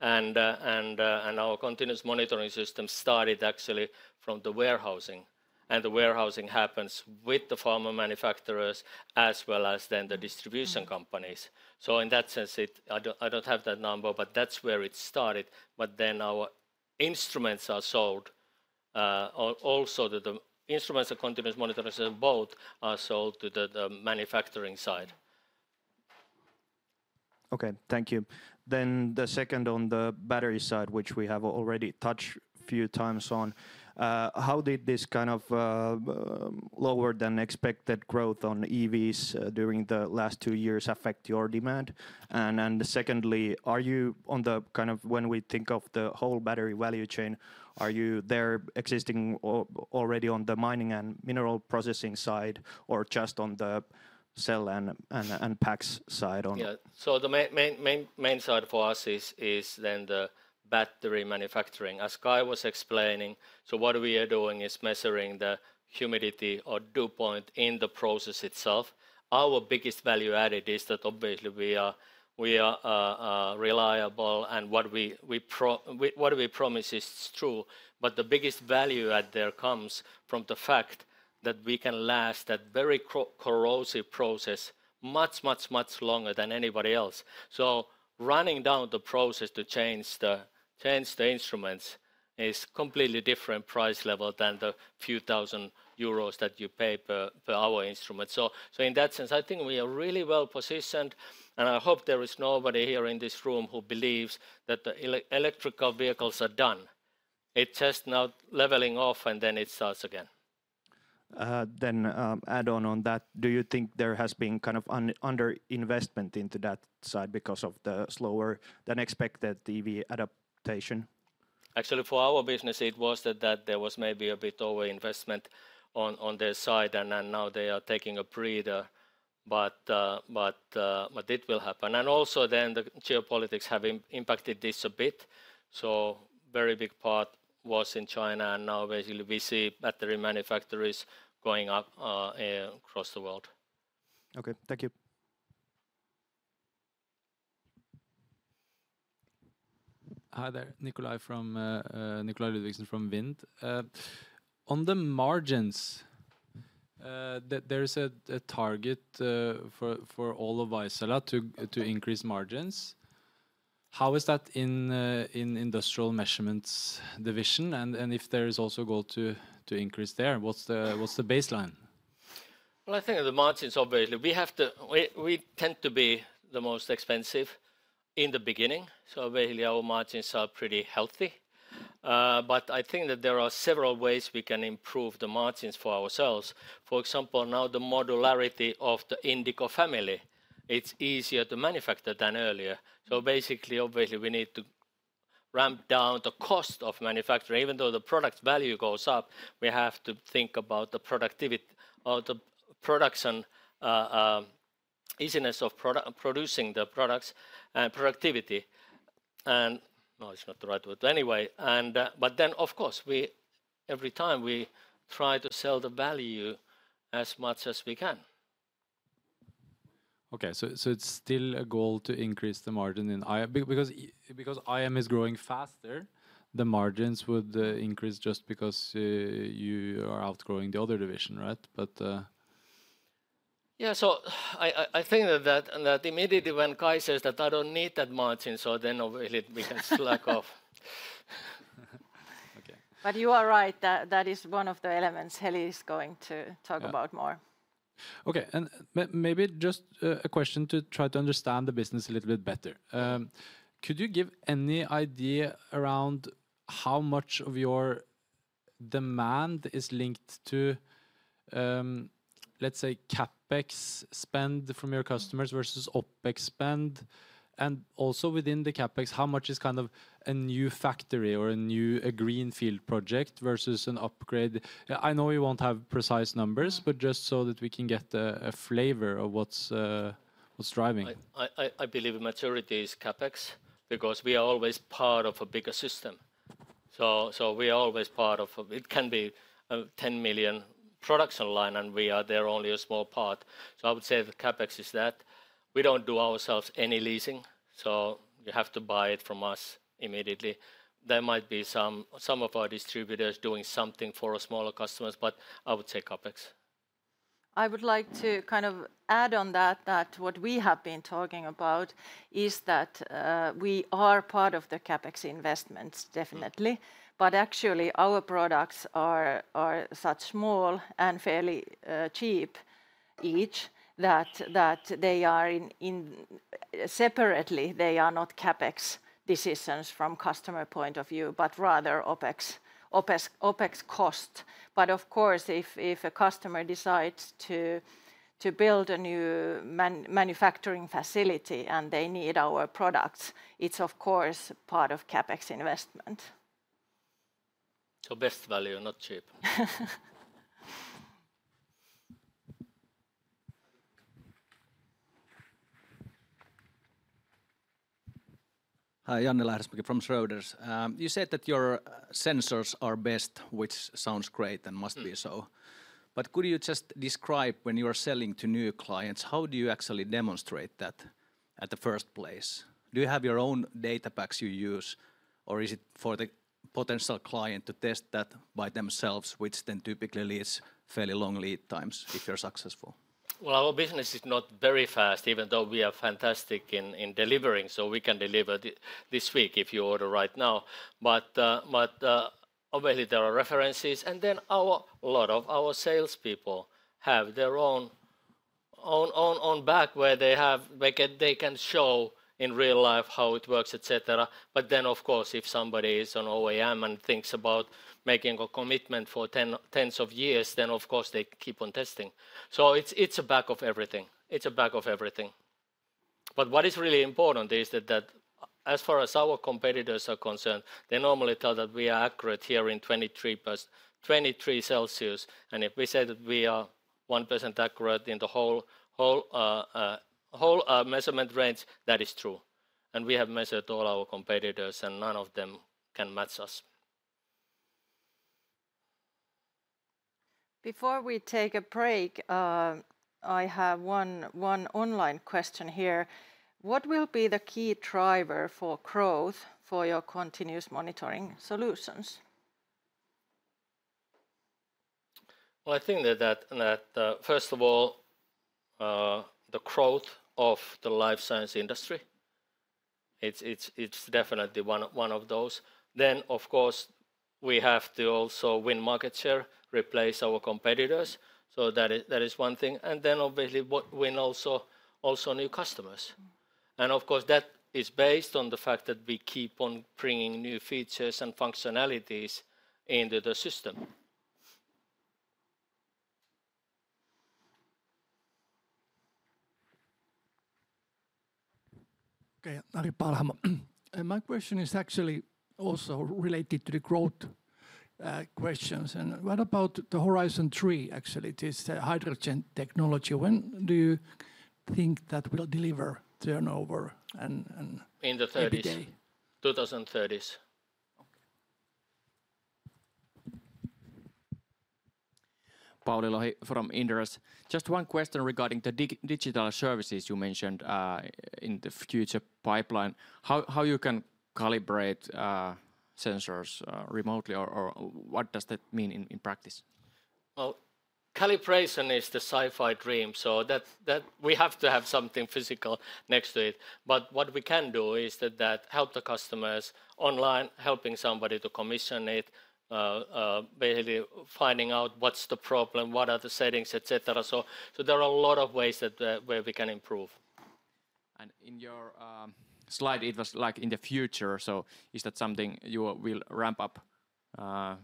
[SPEAKER 2] And our continuous monitoring system started actually from the warehousing. The warehousing happens with the pharma manufacturers as well as then the distribution companies. In that sense, I don't have that number, but that's where it started. Then our instruments are sold. Also the instruments and continuous monitoring system both are sold to the manufacturing side. Okay, thank you. The second on the battery side, which we have already touched a few times on. How did this kind of lower than expected growth on EVs during the last two years affect your demand? And secondly, are you on the kind of when we think of the whole battery value chain, are you there existing already on the mining and mineral processing side or just on the cell and packs side?
[SPEAKER 3] Yeah, so the main side for us is then the battery manufacturing. As Kai was explaining, so what we are doing is measuring the humidity or dew point in the process itself. Our biggest value added is that obviously we are reliable and what we promise is true. But the biggest value add there comes from the fact that we can last that very corrosive process much, much, much longer than anybody else. So running down the process to change the instruments is a completely different price level than the few thousand EUR that you pay per our instrument. So in that sense, I think we are really well positioned and I hope there is nobody here in this room who believes that the electric vehicles are done. It's just now leveling off and then it starts again.
[SPEAKER 4] Then add on that, do you think there has been kind of underinvestment into that side because of the slower than expected EV adoption? Actually for our business, it was that there was maybe a bit overinvestment on their side and now they are taking a breather, but it will happen, and also then the geopolitics have impacted this a bit, so a very big part was in China and now basically we see battery manufacturers going up across the world. Okay, thank you. Hi there, Nikolai Ludvigsen from Wind. On the margins, there is a target for all of Vaisala to increase margins. How is that in industrial measurements division and if there is also a goal to increase there, what's the baseline? Well, I think the margins obviously, we have to, we tend to be the most expensive in the beginning.
[SPEAKER 2] So obviously our margins are pretty healthy. But I think that there are several ways we can improve the margins for ourselves. For example, now the modularity of the Indigo family, it's easier to manufacture than earlier. So basically, obviously we need to ramp down the cost of manufacturing. Even though the product value goes up, we have to think about the productivity, the production easiness of producing the products and productivity. And no, it's not the right word. But anyway, but then of course, every time we try to sell the value as much as we can. Okay, so it's still a goal to increase the margin in IM because IM is growing faster, the margins would increase just because you are outgrowing the other division, right? But yeah, so I think that immediately when Kai says that I don't need that margin, so then obviously we can slack off. But you are right, that is one of the elements Heli is going to talk about more. Okay, and maybe just a question to try to understand the business a little bit better. Could you give any idea around how much of your demand is linked to, let's say, CapEx spend from your customers versus OpEx spend? And also within the CapEx, how much is kind of a new factory or a new greenfield project versus an upgrade? I know you won't have precise numbers, but just so that we can get a flavor of what's driving. I believe the maturity is CapEx because we are always part of a bigger system. We are always part of it. It can be a 10 million production line and we are there only a small part. I would say the CapEx is that. We don't do ourselves any leasing, so you have to buy it from us immediately. There might be some of our distributors doing something for our smaller customers, but I would say CapEx. I would like to kind of add on that, that what we have been talking about is that we are part of the CapEx investments, definitely. Actually our products are such small and fairly cheap each that they are in separately. They are not CapEx decisions from customer point of view, but rather OpEx cost. Of course, if a customer decides to build a new manufacturing facility and they need our products, it's of course part of CapEx investment. Best value, not cheap. Hi, Janne Lähdesmäki from Schroders. You said that your sensors are best, which sounds great and must be so. But could you just describe when you are selling to new clients, how do you actually demonstrate that in the first place? Do you have your own data packs you use or is it for the potential client to test that by themselves, which then typically leads fairly long lead times if you're successful? Well, our business is not very fast, even though we are fantastic in delivering, so we can deliver this week if you order right now. But obviously there are references and then a lot of our salespeople have their own bag where they can show in real life how it works, etc. But then of course, if somebody is on OEM and thinks about making a commitment for tens of years, then of course they keep on testing, so it's the backbone of everything. But what is really important is that as far as our competitors are concerned, they normally tell that we are accurate here in 23 degrees Celsius. And if we say that we are 1% accurate in the whole measurement range, that is true. And we have measured all our competitors and none of them can match us. Before we take a break, I have one online question here. What will be the key driver for growth for your continuous monitoring solutions? Well, I think that first of all, the growth of the life science industry, it's definitely one of those. Then of course, we have to also win market share, replace our competitors. So that is one thing, and then obviously win also new customers, and of course, that is based on the fact that we keep on bringing new features and functionalities into the system. Okay, Ari Paahlamo. My question is actually also related to the growth questions, and what about the Horizon 3, actually? It is hydrogen technology. When do you think that will deliver turnover and in the 2030s? Okay. Pauli Lohi from Inderes. Just one question regarding the digital services you mentioned in the future pipeline. How you can calibrate sensors remotely or what does that mean in practice? Well, calibration is the sci-fi dream, so we have to have something physical next to it, but what we can do is that help the customers online, helping somebody to commission it, basically finding out what's the problem, what are the settings, etc. So there are a lot of ways that we can improve. And in your slide, it was like in the future. So is that something you will ramp up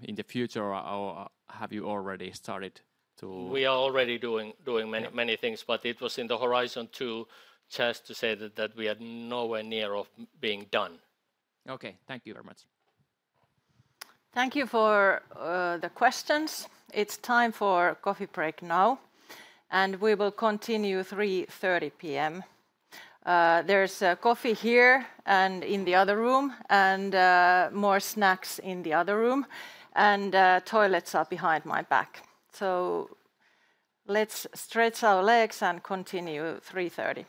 [SPEAKER 2] in the future or have you already started to? We are already doing many things, but it was in the Horizon 2 just to say that we are nowhere near being done. Okay, thank you very much. Thank you for the questions. It's time for coffee break now. And we will continue 3:30 P.M. There's coffee here and in the other room and more snacks in the other room. And toilets are behind my back. So let's stretch our legs and continue 3:30 P.M.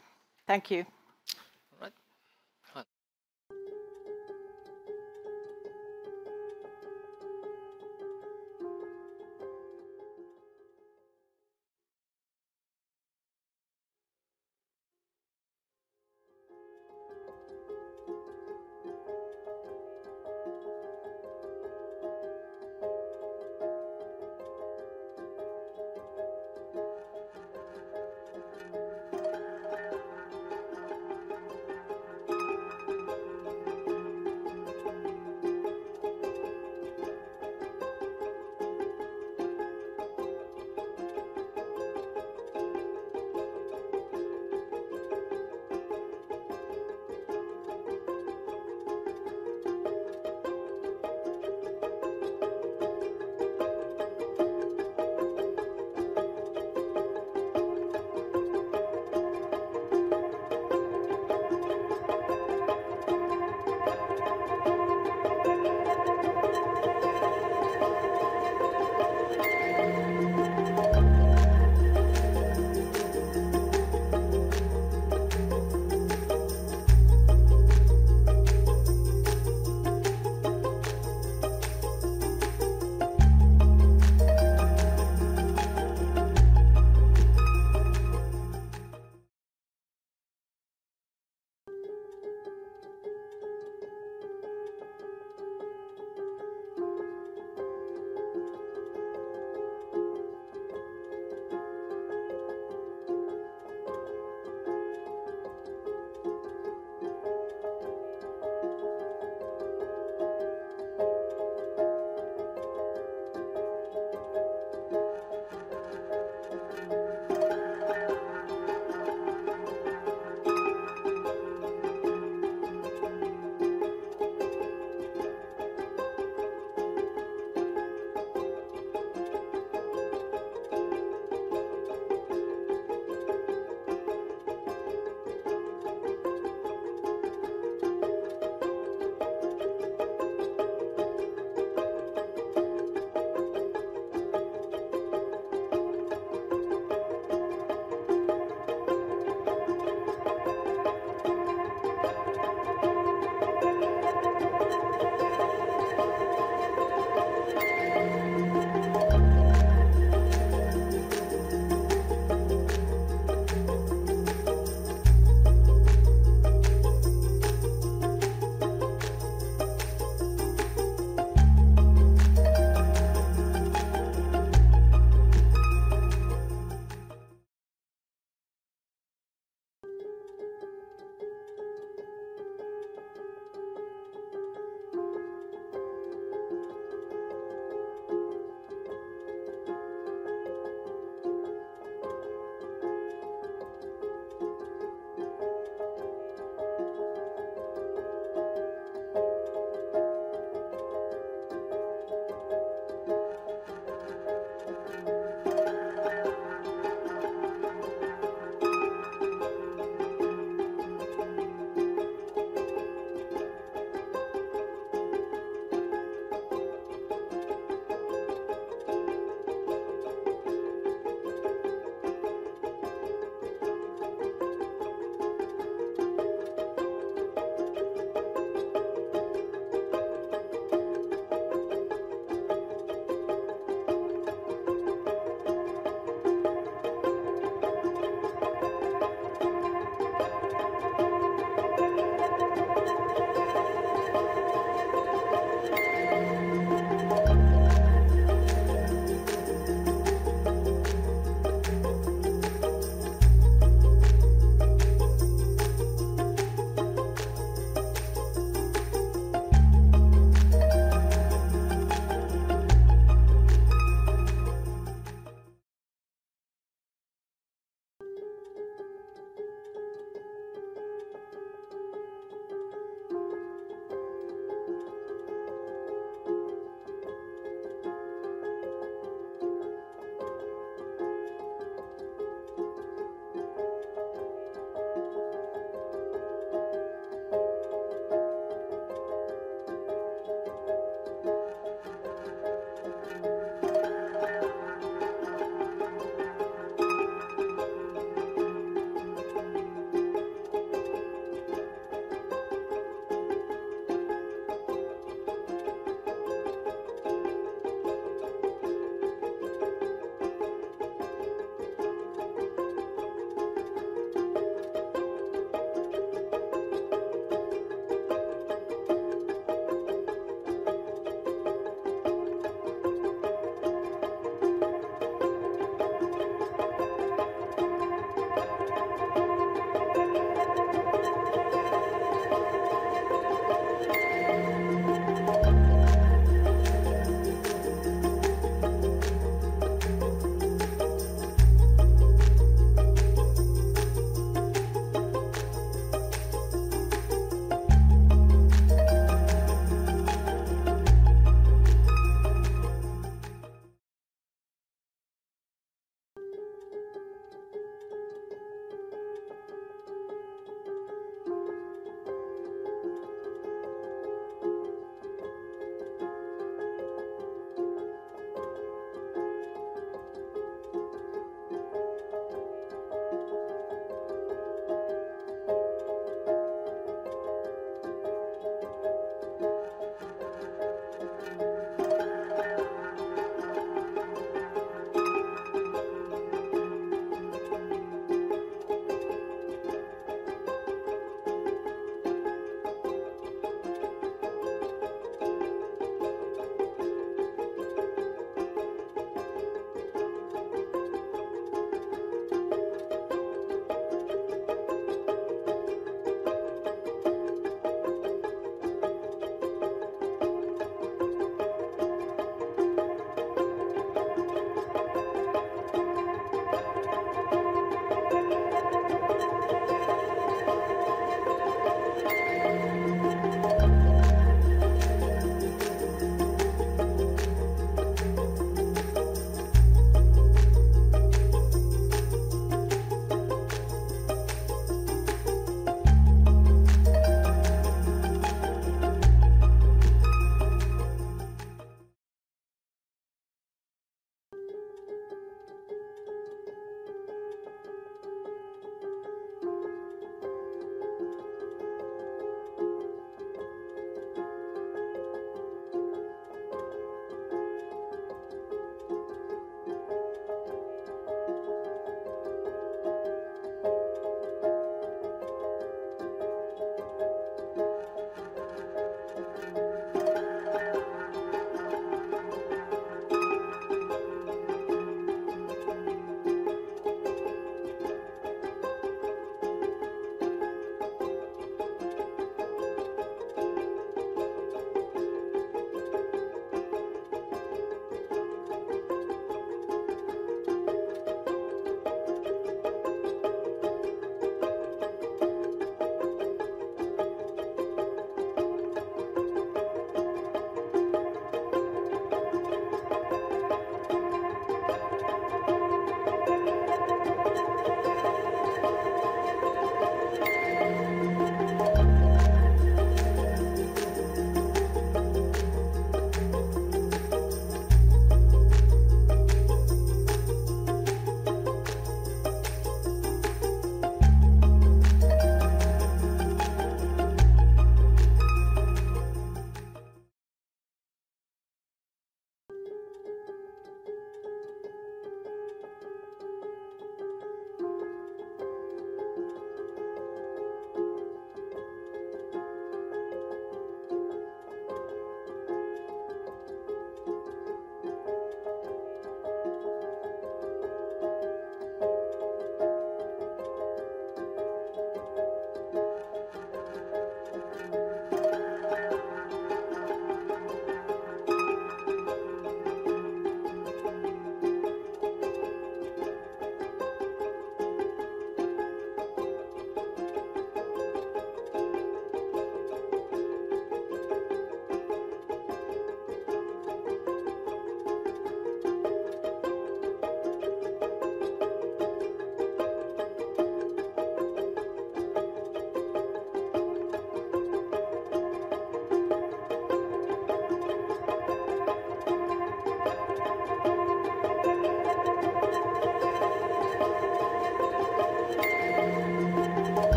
[SPEAKER 2] Thank you.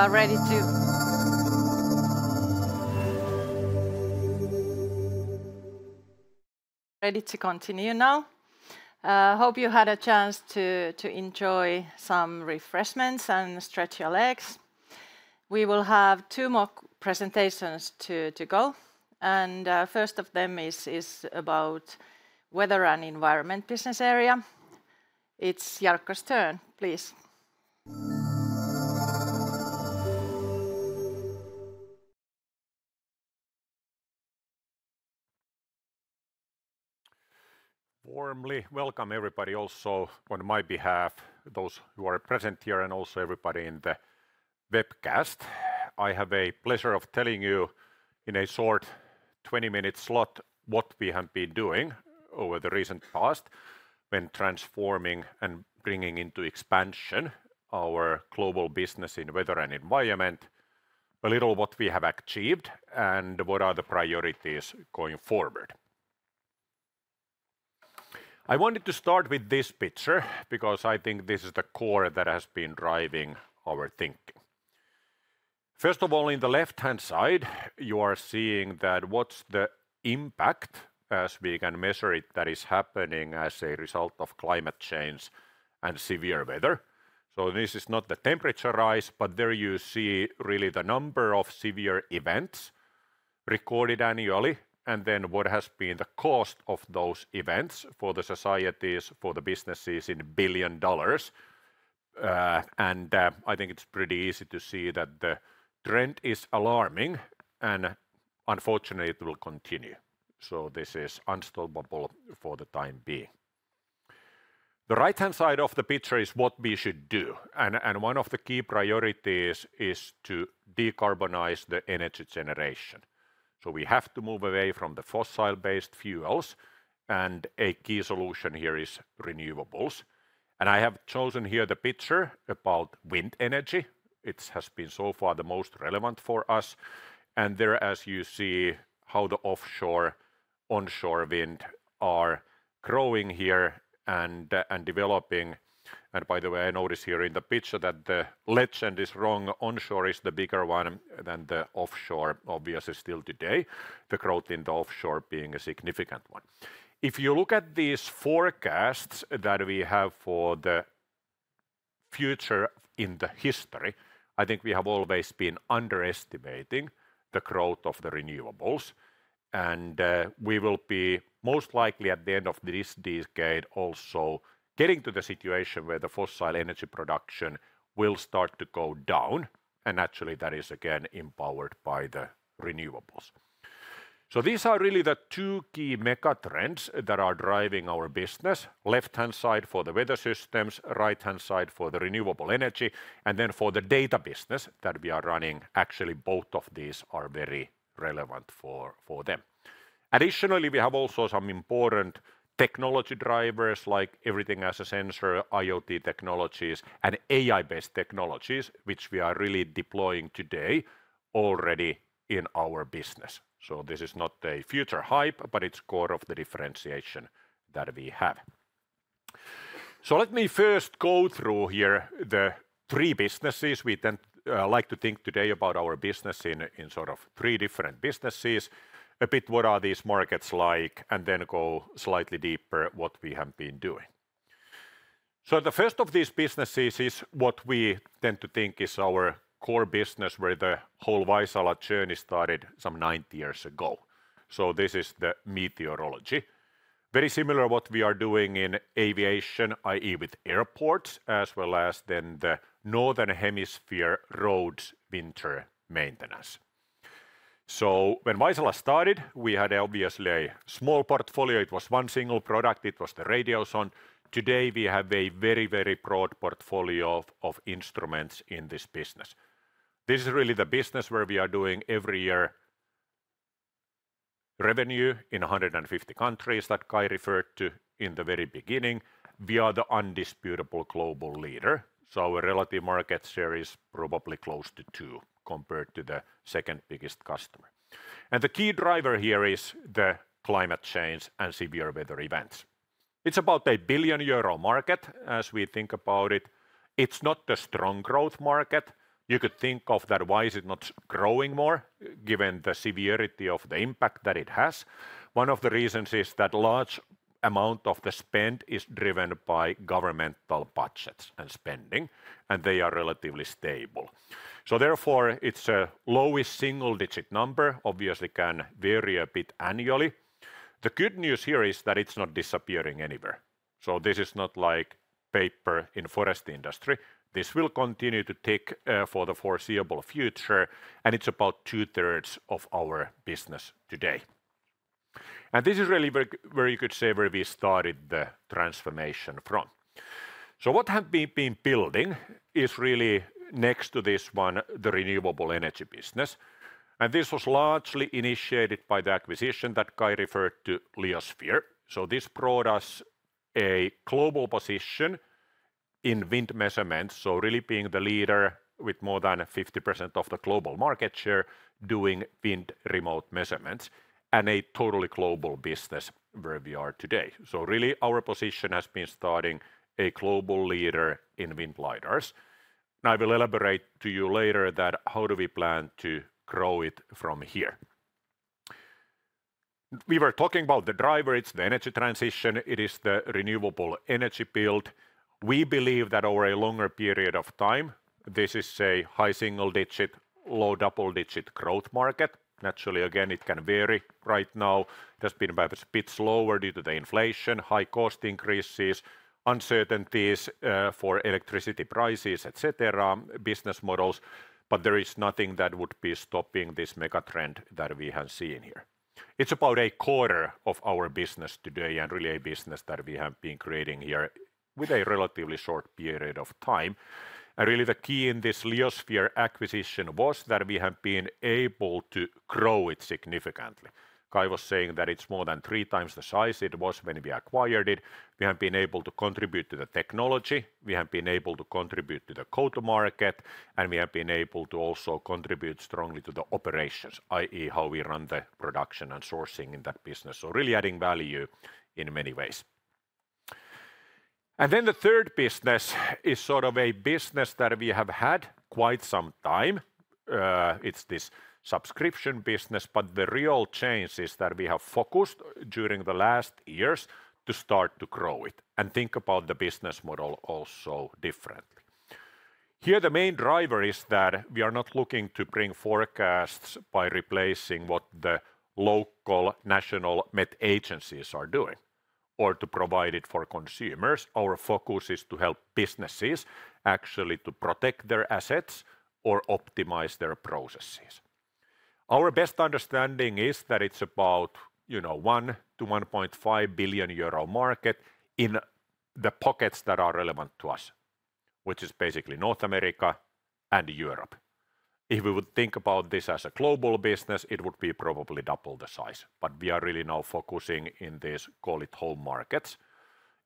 [SPEAKER 2] We are ready to continue now. I hope you had a chance to enjoy some refreshments and stretch your legs. We will have two more presentations to go. And the first of them is about Weather and Environment business area. It's Jarkko's turn, please. Warmly welcome everybody also on my behalf, those who are present here, and also everybody in the webcast. I have the pleasure of telling you in a short 20-minute slot what we have been doing over the recent past when transforming and bringing into expansion our global business in weather and environment, a little what we have achieved, and what are the priorities going forward. I wanted to start with this picture because I think this is the core that has been driving our thinking. First of all, on the left-hand side, you are seeing what's the impact, as we can measure it, that is happening as a result of climate change and severe weather. So this is not the temperature rise, but there you see really the number of severe events recorded annually, and then what has been the cost of those events for the societies, for the businesses in billions of dollars. And I think it's pretty easy to see that the trend is alarming, and unfortunately, it will continue. So this is unstoppable for the time being. The right-hand side of the picture is what we should do. And one of the key priorities is to decarbonize the energy generation. So we have to move away from the fossil-based fuels. And a key solution here is renewables. And I have chosen here the picture about wind energy. It has been so far the most relevant for us. And there, as you see, how the offshore and onshore wind are growing here and developing. And by the way, I notice here in the picture that the legend is wrong. Onshore is the bigger one than the offshore, obviously still today. The growth in the offshore being a significant one. If you look at these forecasts that we have for the future in the history, I think we have always been underestimating the growth of the renewables. And we will be most likely at the end of this decade also getting to the situation where the fossil energy production will start to go down. And actually, that is again empowered by the renewables. So these are really the two key mega trends that are driving our business: left-hand side for the weather systems, right-hand side for the renewable energy, and then for the data business that we are running. Actually, both of these are very relevant for them. Additionally, we have also some important technology drivers like everything as a sensor, IoT technologies, and AI-based technologies, which we are really deploying today already in our business. So this is not a future hype, but it's part of the differentiation that we have. So let me first go through here the three businesses. We tend to like to think today about our business in sort of three different businesses, a bit what are these markets like, and then go slightly deeper what we have been doing. So the first of these businesses is what we tend to think is our core business, where the whole Vaisala journey started some 90 years ago. So this is the meteorology. Very similar to what we are doing in aviation, i.e., with airports, as well as then the northern hemisphere roads winter maintenance. So when Vaisala started, we had obviously a small portfolio. It was one single product. It was the radiosonde. Today, we have a very, very broad portfolio of instruments in this business. This is really the business where we are doing every year revenue in 150 countries that Kai referred to in the very beginning. We are the indisputable global leader. So our relative market share is probably close to two compared to the second biggest customer. And the key driver here is the climate change and severe weather events. It's about a 1 billion euro market as we think about it. It's not the strong growth market. You could think of that, why is it not growing more given the severity of the impact that it has? One of the reasons is that a large amount of the spend is driven by governmental budgets and spending, and they are relatively stable. So therefore, it's a lowest single-digit number. Obviously, it can vary a bit annually. The good news here is that it's not disappearing anywhere, so this is not like paper in the forest industry. This will continue to take for the foreseeable future, and it's about two-thirds of our business today, and this is really where you could say where we started the transformation from, so what had been building is really next to this one, the renewable energy business, and this was largely initiated by the acquisition that Kai referred to, Leosphere, so this brought us a global position in wind measurements, so really being the leader with more than 50% of the global market share doing wind remote measurements and a totally global business where we are today, so really, our position has been starting a global leader in wind LiDARs. I will elaborate to you later that how do we plan to grow it from here. We were talking about the driver. It's the energy transition. It is the renewable energy build. We believe that over a longer period of time, this is a high single-digit, low double-digit growth market. Naturally, again, it can vary right now. It has been a bit slower due to the inflation, high cost increases, uncertainties for electricity prices, etc., business models. But there is nothing that would be stopping this mega trend that we have seen here. It's about a quarter of our business today and really a business that we have been creating here with a relatively short period of time. And really, the key in this Leosphere acquisition was that we have been able to grow it significantly.
[SPEAKER 4] Kai was saying that it's more than three times the size it was when we acquired it. We have been able to contribute to the technology. We have been able to contribute to the go-to-market, and we have been able to also contribute strongly to the operations, i.e., how we run the production and sourcing in that business. So really adding value in many ways. And then the third business is sort of a business that we have had quite some time. It's this subscription business, but the real change is that we have focused during the last years to start to grow it and think about the business model also differently. Here, the main driver is that we are not looking to bring forecasts by replacing what the local national met agencies are doing or to provide it for consumers. Our focus is to help businesses actually to protect their assets or optimize their processes. Our best understanding is that it's about 1-1.5 billion euro market in the pockets that are relevant to us, which is basically North America and Europe. If we would think about this as a global business, it would be probably double the size. But we are really now focusing in these call-it-home markets.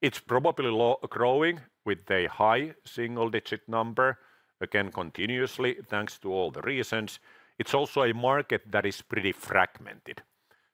[SPEAKER 4] It's probably growing with a high single-digit number again continuously thanks to all the reasons. It's also a market that is pretty fragmented.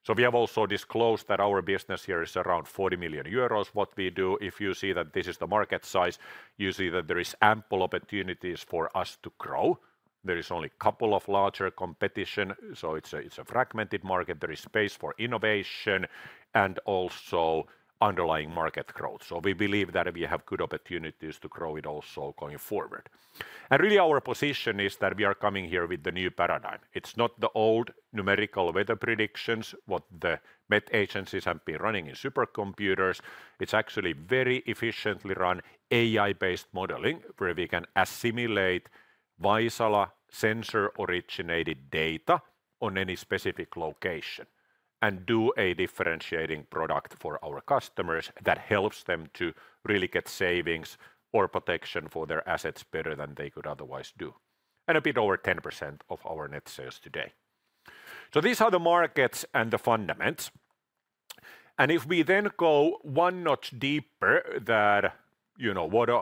[SPEAKER 4] So we have also disclosed that our business here is around 40 million euros what we do. If you see that this is the market size, you see that there are ample opportunities for us to grow. There is only a couple of larger competition. So it's a fragmented market. There is space for innovation and also underlying market growth, so we believe that we have good opportunities to grow it also going forward, and really, our position is that we are coming here with the new paradigm. It's not the old numerical weather predictions what the met agencies have been running in supercomputers. It's actually very efficiently run AI-based modeling where we can assimilate Vaisala sensor-originated data on any specific location and do a differentiating product for our customers that helps them to really get savings or protection for their assets better than they could otherwise do, and a bit over 10% of our net sales today, so these are the markets and the fundamentals, and if we then go one notch deeper, that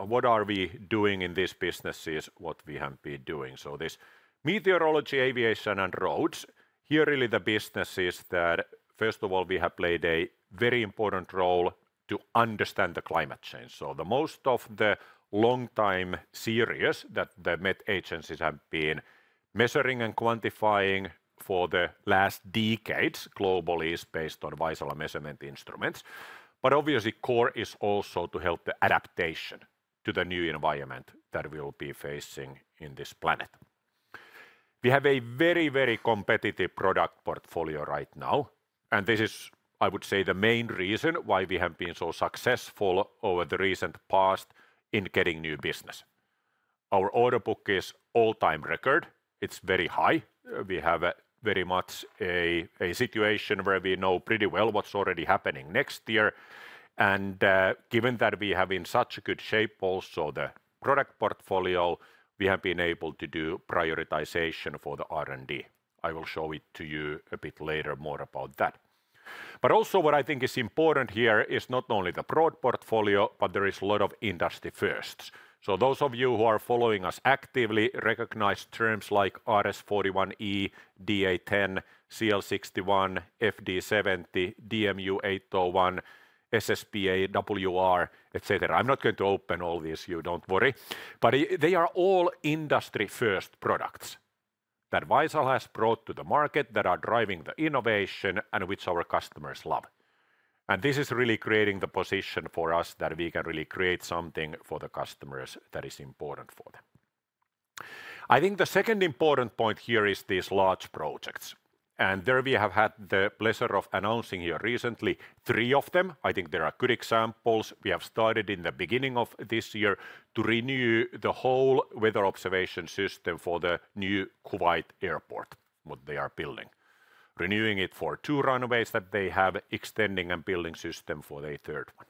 [SPEAKER 4] what are we doing in these businesses, what we have been doing. This meteorology, aviation, and roads. Here really the business is that first of all, we have played a very important role to understand the climate change. The most of the long-term series that the met agencies have been measuring and quantifying for the last decades globally is based on Vaisala measurement instruments. But obviously, core is also to help the adaptation to the new environment that we will be facing in this planet. We have a very, very competitive product portfolio right now. And this is, I would say, the main reason why we have been so successful over the recent past in getting new business. Our order book is all-time record. It's very high. We have very much a situation where we know pretty well what's already happening next year. And given that we have in such a good shape also the product portfolio, we have been able to do prioritization for the R&D. I will show it to you a bit later more about that. But also what I think is important here is not only the broad portfolio, but there is a lot of industry firsts. So those of you who are following us actively recognize terms like RS41-E, DA10, CL61, FD70, DMU801, SSPA WR, etc. I'm not going to open all these, you don't worry. But they are all industry-first products that Vaisala has brought to the market that are driving the innovation and which our customers love. And this is really creating the position for us that we can really create something for the customers that is important for them. I think the second important point here is these large projects. And there we have had the pleasure of announcing here recently three of them. I think there are good examples. We have started in the beginning of this year to renew the whole weather observation system for the new Kuwait airport, what they are building, renewing it for two runways that they have, extending and building system for the third one.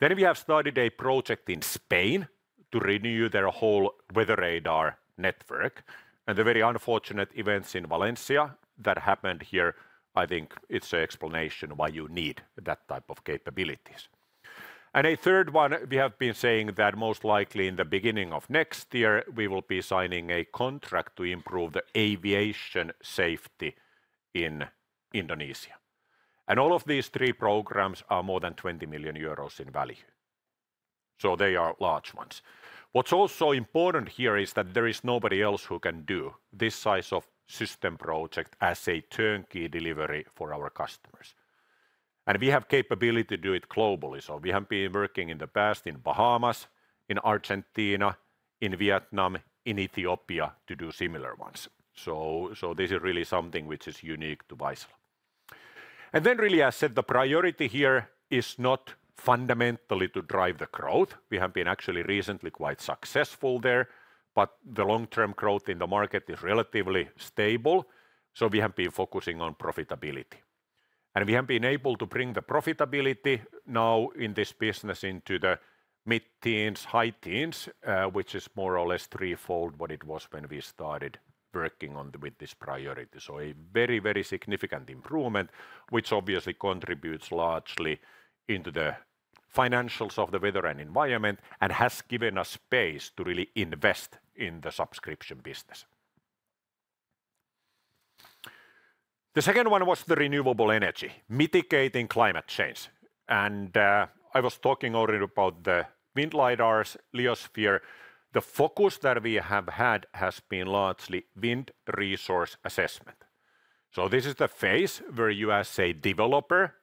[SPEAKER 4] Then we have started a project in Spain to renew their whole weather radar network. And the very unfortunate events in Valencia that happened here, I think it's an explanation why you need that type of capabilities. And a third one, we have been saying that most likely in the beginning of next year, we will be signing a contract to improve the aviation safety in Indonesia. And all of these three programs are more than 20 million euros in value. So they are large ones. What's also important here is that there is nobody else who can do this size of system project as a turnkey delivery for our customers. And we have capability to do it globally. So we have been working in the past in Bahamas, in Argentina, in Vietnam, in Ethiopia to do similar ones. So this is really something which is unique to Vaisala. And then really, as I said, the priority here is not fundamentally to drive the growth. We have been actually recently quite successful there, but the long-term growth in the market is relatively stable. So we have been focusing on profitability. And we have been able to bring the profitability now in this business into the mid-teens, high-teens, which is more or less threefold what it was when we started working on with this priority. So a very, very significant improvement, which obviously contributes largely into the financials of the weather and environment and has given us space to really invest in the subscription business. The second one was the renewable energy, mitigating climate change. And I was talking already about the wind LiDARs, Leosphere. The focus that we have had has been largely wind resource assessment. So this is the phase where you as a developer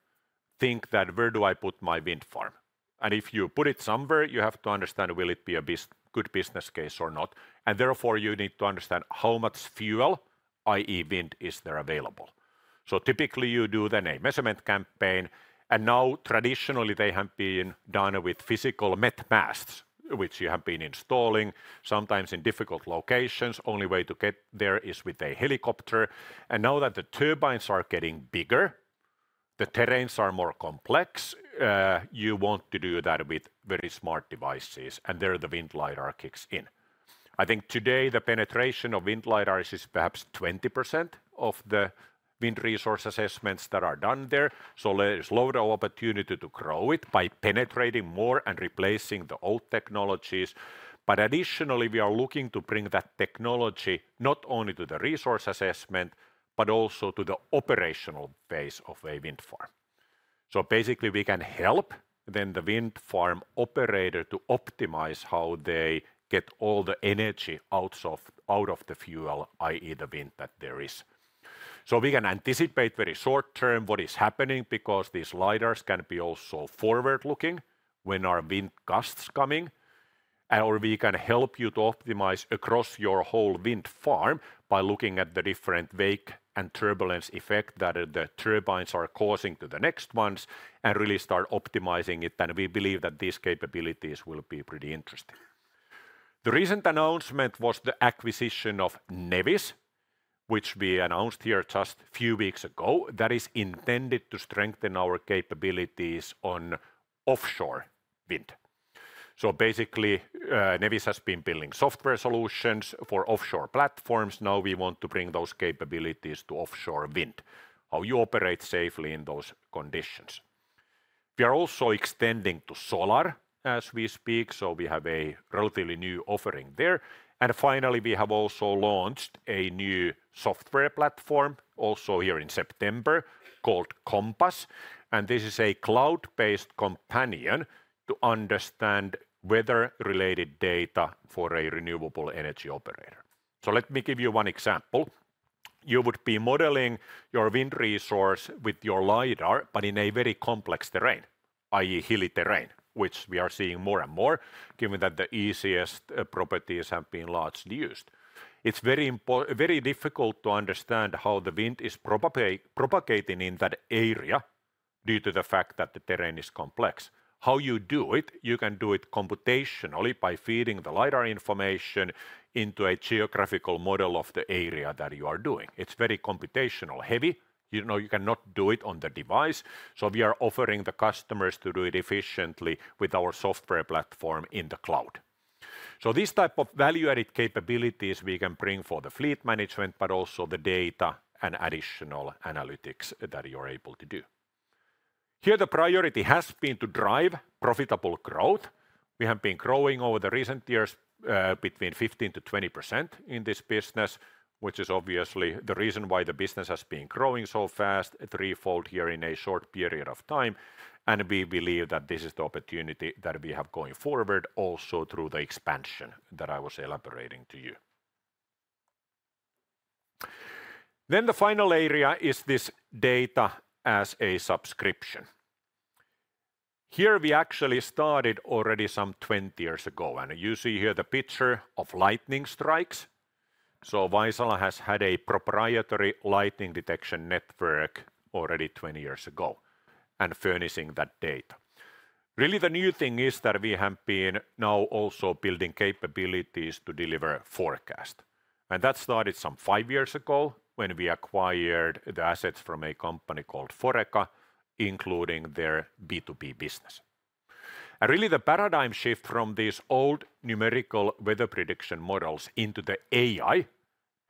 [SPEAKER 4] think that where do I put my wind farm? And if you put it somewhere, you have to understand will it be a good business case or not. And therefore, you need to understand how much fuel, i.e., wind, is there available. So typically, you do then a measurement campaign. And now, traditionally, they have been done with physical met masts, which you have been installing sometimes in difficult locations. The only way to get there is with a helicopter. And now that the turbines are getting bigger, the terrains are more complex. You want to do that with very smart devices. And there the wind LiDAR kicks in. I think today the penetration of wind LiDARs is perhaps 20% of the wind resource assessments that are done there. So there is load of opportunity to grow it by penetrating more and replacing the old technologies. But additionally, we are looking to bring that technology not only to the resource assessment, but also to the operational phase of a wind farm. So basically, we can help then the wind farm operator to optimize how they get all the energy out of the fuel, i.e., the wind that there is. So we can anticipate very short term what is happening because these LiDARs can be also forward-looking when our wind gusts are coming. Or we can help you to optimize across your whole wind farm by looking at the different wake and turbulence effect that the turbines are causing to the next ones and really start optimizing it. And we believe that these capabilities will be pretty interesting. The recent announcement was the acquisition of Nevis, which we announced here just a few weeks ago that is intended to strengthen our capabilities on offshore wind. So basically, Nevis has been building software solutions for offshore platforms. Now we want to bring those capabilities to offshore wind, how you operate safely in those conditions. We are also extending to solar as we speak. So we have a relatively new offering there. Finally, we have also launched a new software platform also here in September called Compass. This is a cloud-based companion to understand weather-related data for a renewable energy operator. Let me give you one example. You would be modeling your wind resource with your LiDAR, but in a very complex terrain, i.e., hilly terrain, which we are seeing more and more given that the easiest properties have been largely used. It's very difficult to understand how the wind is propagating in that area due to the fact that the terrain is complex. How you do it? You can do it computationally by feeding the LiDAR information into a geographical model of the area that you are doing. It's very computationally heavy. You cannot do it on the device. So we are offering the customers to do it efficiently with our software platform in the cloud. So these type of value-added capabilities we can bring for the fleet management, but also the data and additional analytics that you are able to do. Here the priority has been to drive profitable growth. We have been growing over the recent years between 15%-20% in this business, which is obviously the reason why the business has been growing so fast, threefold here in a short period of time. And we believe that this is the opportunity that we have going forward also through the expansion that I was elaborating to you. Then the final area is this data as a subscription. Here we actually started already some 20 years ago. And you see here the picture of lightning strikes. So Vaisala has had a proprietary lightning detection network already 20 years ago and furnishing that data. Really the new thing is that we have been now also building capabilities to deliver forecast. And that started some five years ago when we acquired the assets from a company called Foreca, including their B2B business. And really the paradigm shift from these old numerical weather prediction models into the AI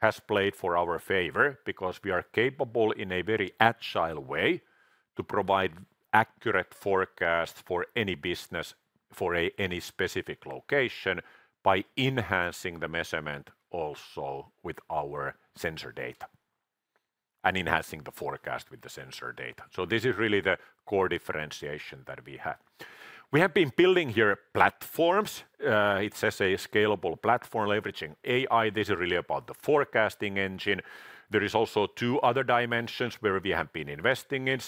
[SPEAKER 4] has played for our favor because we are capable in a very agile way to provide accurate forecast for any business for any specific location by enhancing the measurement also with our sensor data and enhancing the forecast with the sensor data. So this is really the core differentiation that we have. We have been building here platforms. It's a scalable platform leveraging AI. This is really about the forecasting engine. There are also two other dimensions where we have been investing in.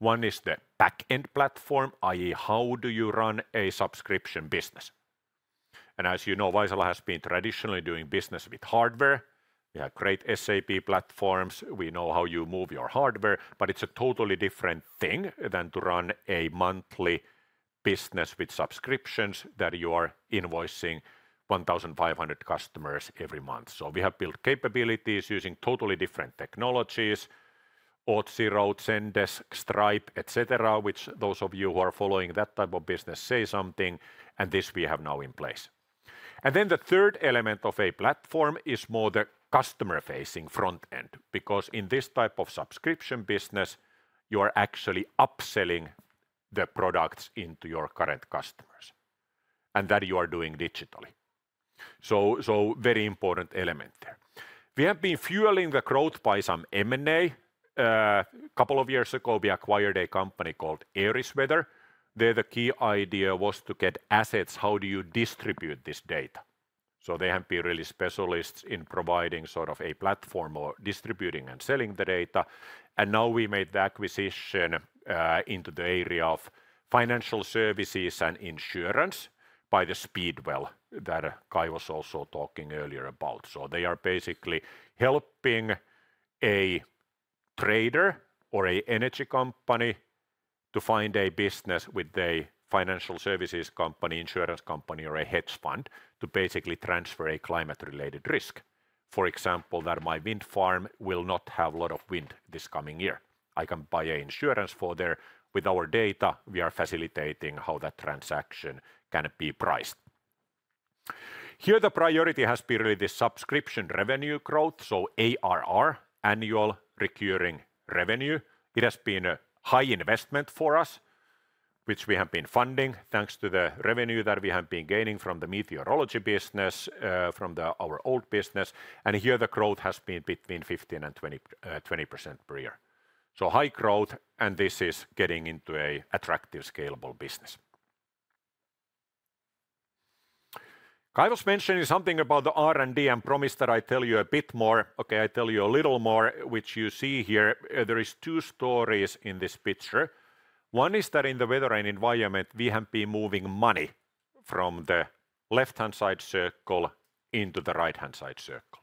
[SPEAKER 4] One is the back-end platform, i.e., how do you run a subscription business. And as you know, Vaisala has been traditionally doing business with hardware. We have great SAP platforms. We know how you move your hardware, but it's a totally different thing than to run a monthly business with subscriptions that you are invoicing 1,500 customers every month. So we have built capabilities using totally different technologies: Otsi, Roadsendes, Stripe, etc., which those of you who are following that type of business say something. And this we have now in place. And then the third element of a platform is more the customer-facing front end because in this type of subscription business, you are actually upselling the products into your current customers and that you are doing digitally. So very important element there. We have been fueling the growth by some M&A. A couple of years ago, we acquired a company called AerisWeather. There, the key idea was to get assets. How do you distribute this data? So they have been really specialists in providing sort of a platform or distributing and selling the data. And now we made the acquisition into the area of financial services and insurance by the Speedwell that Kai was also talking earlier about. So they are basically helping a trader or an energy company to find a business with a financial services company, insurance company, or a hedge fund to basically transfer a climate-related risk. For example, that my wind farm will not have a lot of wind this coming year. I can buy an insurance for that. With our data, we are facilitating how that transaction can be priced. Here, the priority has been really the subscription revenue growth. ARR, annual recurring revenue, it has been a high investment for us, which we have been funding thanks to the revenue that we have been gaining from the meteorology business, from our old business. And here, the growth has been between 15%-20% per year. So high growth, and this is getting into an attractive scalable business. Kai was mentioning something about the R&D and promised that I tell you a bit more. Okay, I tell you a little more, which you see here. There are two stories in this picture. One is that in the weather and environment, we have been moving money from the left-hand side circle into the right-hand side circle.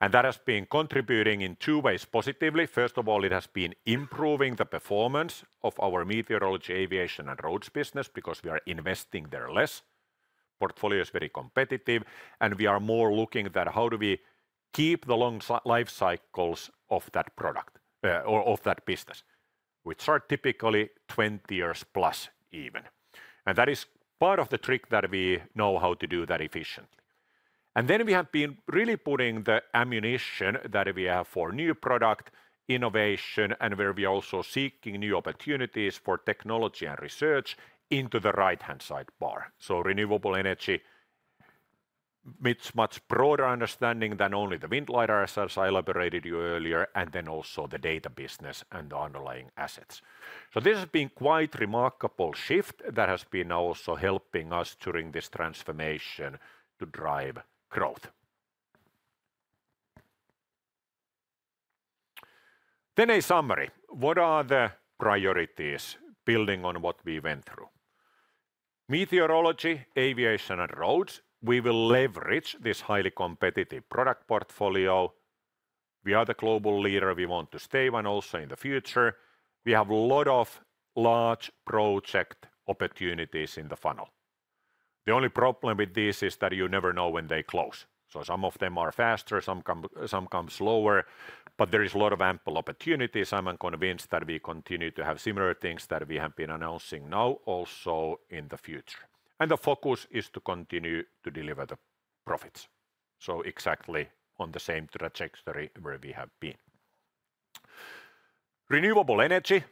[SPEAKER 4] And that has been contributing in two ways positively. First of all, it has been improving the performance of our meteorology, aviation, and roads business because we are investing there less. portfolio is very competitive, and we are more looking at how do we keep the long life cycles of that product or of that business, which are typically 20 years plus even. That is part of the trick that we know how to do that efficiently. We have been really putting the ammunition that we have for new product innovation and where we are also seeking new opportunities for technology and research into the right-hand side bar. Renewable energy meets much broader understanding than only the wind LiDARs, as I elaborated to you earlier, and then also the data business and the underlying assets. This has been quite a remarkable shift that has been also helping us during this transformation to drive growth. A summary. What are the priorities building on what we went through? Meteorology, aviation, and roads. We will leverage this highly competitive product portfolio. We are the global leader. We want to stay one also in the future. We have a lot of large project opportunities in the funnel. The only problem with this is that you never know when they close. So some of them are faster, some come slower, but there is a lot of ample opportunities. I'm convinced that we continue to have similar things that we have been announcing now also in the future. And the focus is to continue to deliver the profits. So exactly on the same trajectory where we have been. Renewable energy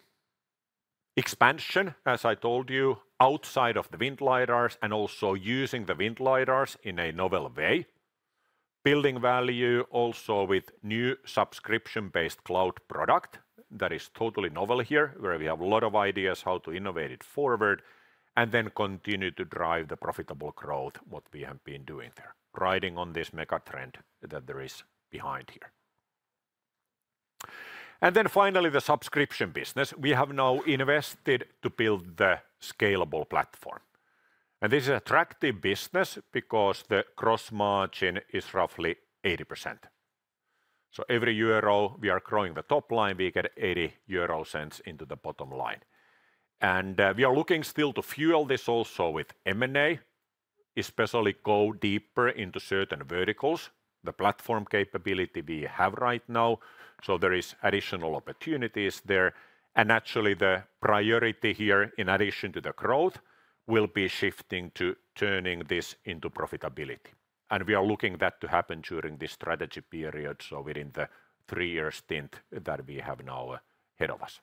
[SPEAKER 4] expansion, as I told you, outside of the wind LiDARs and also using the wind LiDARs in a novel way. Building value also with new subscription-based cloud product that is totally novel here, where we have a lot of ideas how to innovate it forward and then continue to drive the profitable growth, what we have been doing there, riding on this mega trend that there is behind here, and then finally, the subscription business. We have now invested to build the scalable platform, and this is an attractive business because the gross margin is roughly 80%. So every euro we are growing the top line, we get 80 euros into the bottom line, and we are looking still to fuel this also with M&A, especially go deeper into certain verticals, the platform capability we have right now, so there are additional opportunities there, and actually, the priority here, in addition to the growth, will be shifting to turning this into profitability. We are looking at that to happen during this strategy period, so within the three-year stint that we have now ahead of us.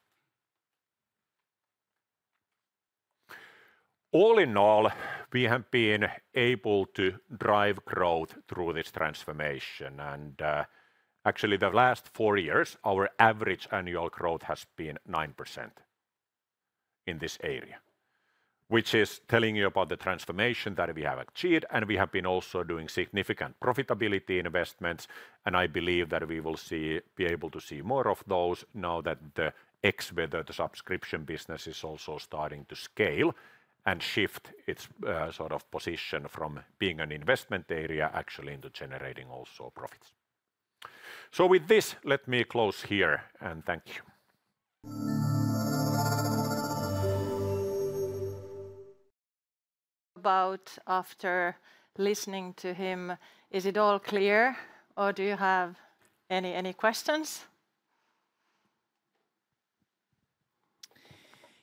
[SPEAKER 4] All in all, we have been able to drive growth through this transformation. Actually, the last four years, our average annual growth has been 9% in this area, which is telling you about the transformation that we have achieved. We have been also doing significant profitability investments. I believe that we will be able to see more of those now that the Xweather, the subscription business, is also starting to scale and shift its sort of position from being an investment area actually into generating also profits. With this, let me close here and thank you. Now, after listening to him, is it all clear or do you have any questions?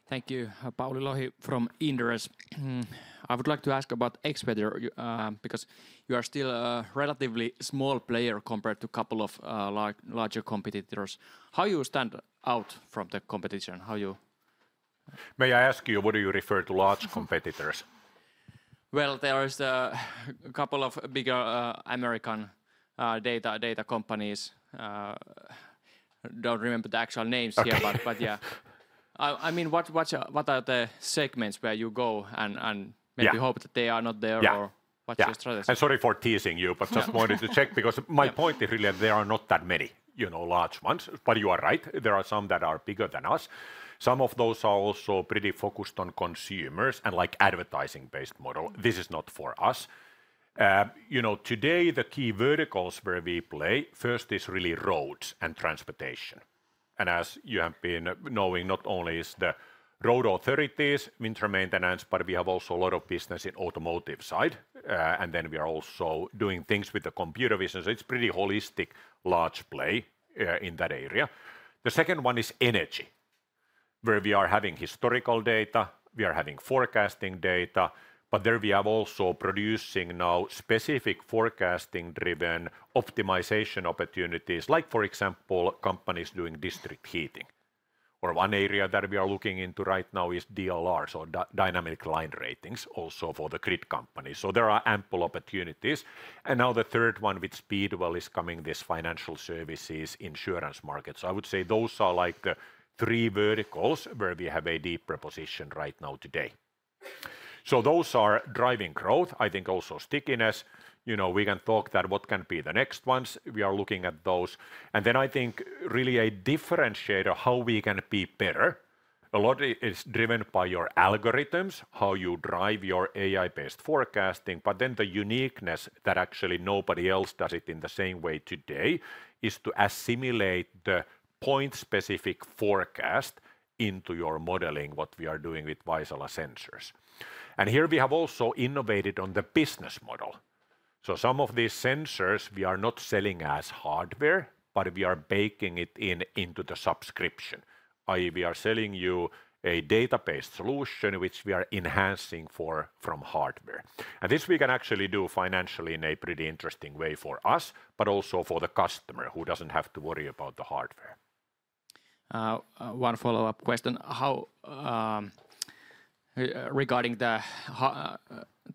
[SPEAKER 4] Thank you, Pauli Lohi from Inderes. I would like to ask about Xweather because you are still a relatively small player compared to a couple of larger competitors. How do you stand out from the competition? May I ask you, what do you refer to as large competitors? Well, there are a couple of bigger American data companies. I don't remember the actual names here, but yeah. I mean, what are the segments where you go and maybe hope that they are not there? Or what's your strategy? I'm sorry for teasing you, but just wanted to check because my point is really that there are not that many, you know, large ones. But you are right. There are some that are bigger than us. Some of those are also pretty focused on consumers and like advertising-based model. This is not for us. You know, today the key verticals where we play first is really roads and transportation. And as you have been knowing, not only is the road authorities winter maintenance, but we have also a lot of business in the automotive side. And then we are also doing things with the computer vision. So it's a pretty holistic large play in that area. The second one is energy, where we are having historical data. We are having forecasting data, but there we are also producing now specific forecasting-driven optimization opportunities, like for example, companies doing district heating. Or one area that we are looking into right now is DLR, so dynamic line ratings also for the grid companies. So there are ample opportunities. And now the third one with Speedwell is coming, this financial services insurance market. So I would say those are like the three verticals where we have a deeper position right now today. So those are driving growth. I think also stickiness. You know, we can talk that what can be the next ones. We are looking at those. And then I think really a differentiator, how we can be better. A lot is driven by your algorithms, how you drive your AI-based forecasting. But then the uniqueness that actually nobody else does it in the same way today is to assimilate the point-specific forecast into your modeling, what we are doing with Vaisala sensors. And here we have also innovated on the business model. So some of these sensors we are not selling as hardware, but we are baking it into the subscription. I.e., we are selling you a database solution, which we are enhancing from hardware. And this we can actually do financially in a pretty interesting way for us, but also for the customer who doesn't have to worry about the hardware. One follow-up question. Regarding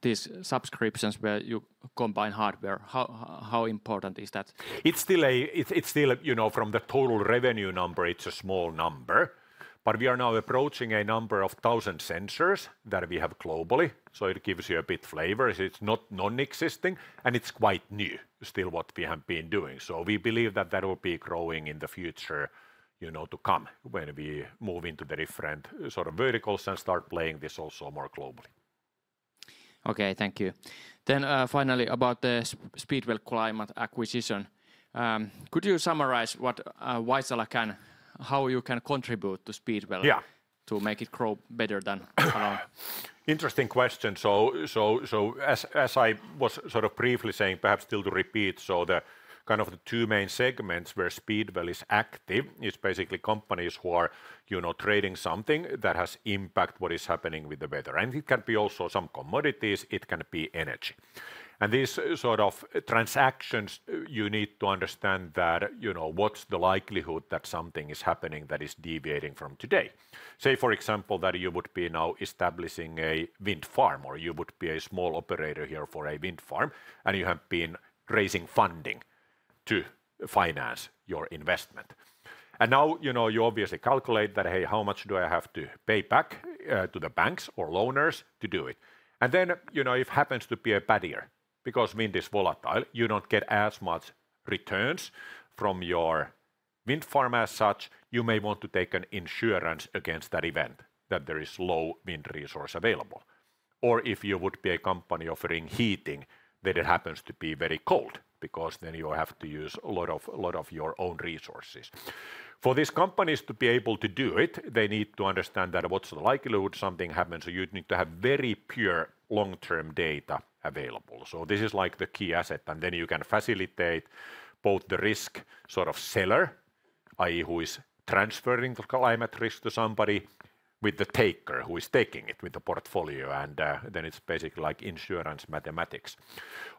[SPEAKER 4] these subscriptions where you combine hardware, how important is that? It's still a, you know, from the total revenue number, it's a small number. But we are now approaching a number of thousand sensors that we have globally. So it gives you a bit of flavor. It's not non-existing. And it's quite new still what we have been doing. So we believe that that will be growing in the future, you know, to come when we move into the different sort of verticals and start playing this also more globally. Okay, thank you. Then finally about the Speedwell Climate acquisition. Could you summarize what Vaisala can, how you can contribute to Speedwell to make it grow better than around?
[SPEAKER 2] Interesting question. So as I was sort of briefly saying, perhaps still to repeat, so the kind of the two main segments where Speedwell is active is basically companies who are, you know, trading something that has impact what is happening with the weather. And it can be also some commodities. It can be energy. And these sort of transactions, you need to understand that, you know, what's the likelihood that something is happening that is deviating from today. Say, for example, that you would be now establishing a wind farm or you would be a small operator here for a wind farm and you have been raising funding to finance your investment. And now, you know, you obviously calculate that, hey, how much do I have to pay back to the banks or loaners to do it? And then, you know, if it happens to be a bad year because wind is volatile, you don't get as much returns from your wind farm as such, you may want to take an insurance against that event that there is low wind resource available. Or if you would be a company offering heating, then it happens to be very cold because then you have to use a lot of your own resources. For these companies to be able to do it, they need to understand that what's the likelihood something happens. So you need to have very pure long-term data available. So this is like the key asset. And then you can facilitate both the risk sort of seller, i.e., who is transferring the climate risk to somebody with the taker who is taking it with the portfolio. And then it's basically like insurance mathematics.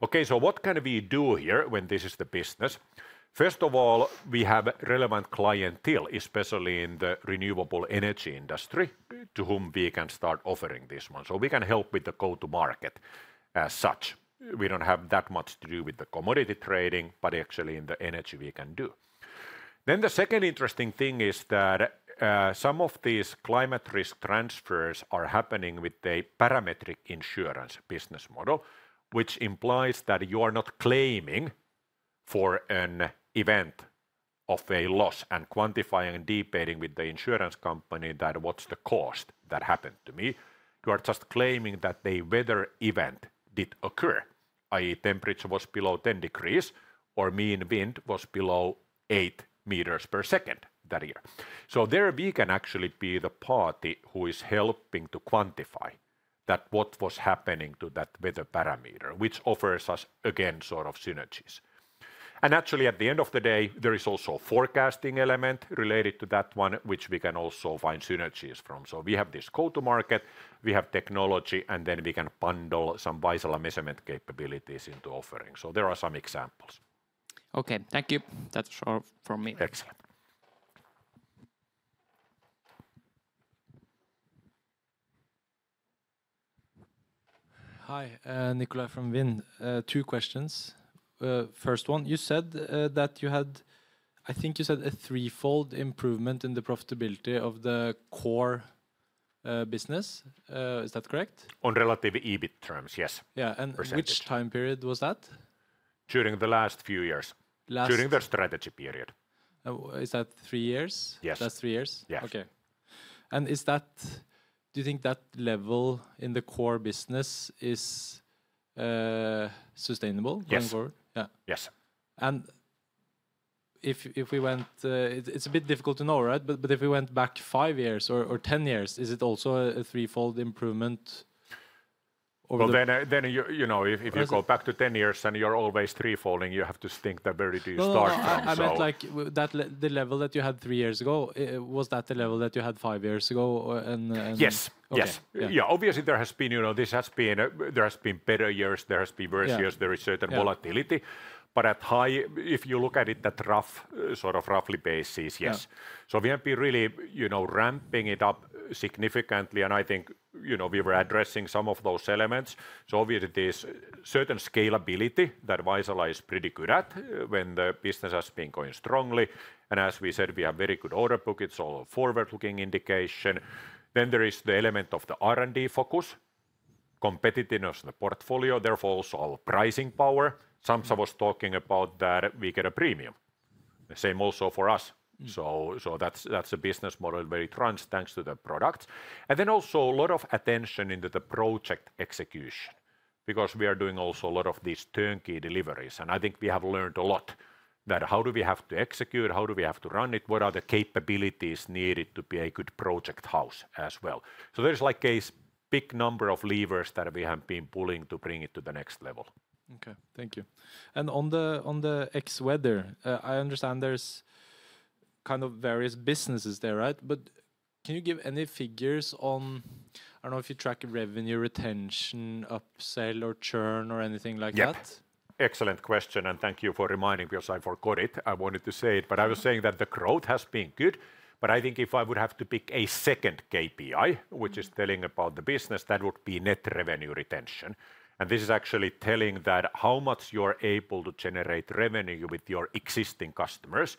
[SPEAKER 2] Okay, so what can we do here when this is the business? First of all, we have relevant clientele, especially in the renewable energy industry, to whom we can start offering this one. So we can help with the go-to-market as such. We don't have that much to do with the commodity trading, but actually in the energy we can do. Then the second interesting thing is that some of these climate risk transfers are happening with a parametric insurance business model, which implies that you are not claiming for an event of a loss and quantifying and debating with the insurance company that, what's the cost that happened to me. You are just claiming that the weather event did occur, i.e., temperature was below 10 degrees or mean wind was below eight meters per second that year. So there we can actually be the party who is helping to quantify that what was happening to that weather parameter, which offers us again sort of synergies. And actually at the end of the day, there is also a forecasting element related to that one, which we can also find synergies from. So we have this go-to-market, we have technology, and then we can bundle some Vaisala measurement capabilities into offering. So there are some examples. Okay, thank you. That's all from me. Excellent. Hi, Nikolai from Wind. Two questions. First one, you said that you had, I think you said a threefold improvement in the profitability of the core business. Is that correct? On relative EBIT terms, yes. Yeah. And which time period was that? During the last few years. During the strategy period. Is that three years? Yes. Last three years? Yes. Okay. And is that, do you think, the level in the core business sustainable going forward? Yes. Yes. And if we went, it's a bit difficult to know, right? But if we went back five years or ten years, is it also a threefold improvement? Well, then you know, if you go back to ten years and you're always threefolding, you have to think that very early. I meant like that the level that you had three years ago, was that the level that you had five years ago? Yes. Yes. Yeah. Obviously, there has been, you know, this has been, there has been better years, there has been worse years, there is certain volatility. But at high, if you look at it, that rough sort of roughly basis, yes. So we have been really, you know, ramping it up significantly. I think, you know, we were addressing some of those elements. So obviously, there is certain scalability that Vaisala is pretty good at when the business has been going strongly. As we said, we have very good order books. It's all a forward-looking indication. There is the element of the R&D focus, competitiveness in the portfolio. Therefore, also our pricing power. Sampsa was talking about that we get a premium. The same also for us. That's a business model very transparent thanks to the products. Then also a lot of attention into the project execution because we are doing also a lot of these turnkey deliveries. I think we have learned a lot about how do we have to execute, how do we have to run it, what are the capabilities needed to be a good project house as well. So there is like a big number of levers that we have been pulling to bring it to the next level. Okay. Thank you. And on the Xweather, I understand there's kind of various businesses there, right? But can you give any figures on, I don't know if you track revenue retention, upsell or churn or anything like that? Yeah. Excellent question. And thank you for reminding because I forgot it. I wanted to say it, but I was saying that the growth has been good. But I think if I would have to pick a second KPI, which is telling about the business, that would be net revenue retention. And this is actually telling that how much you're able to generate revenue with your existing customers,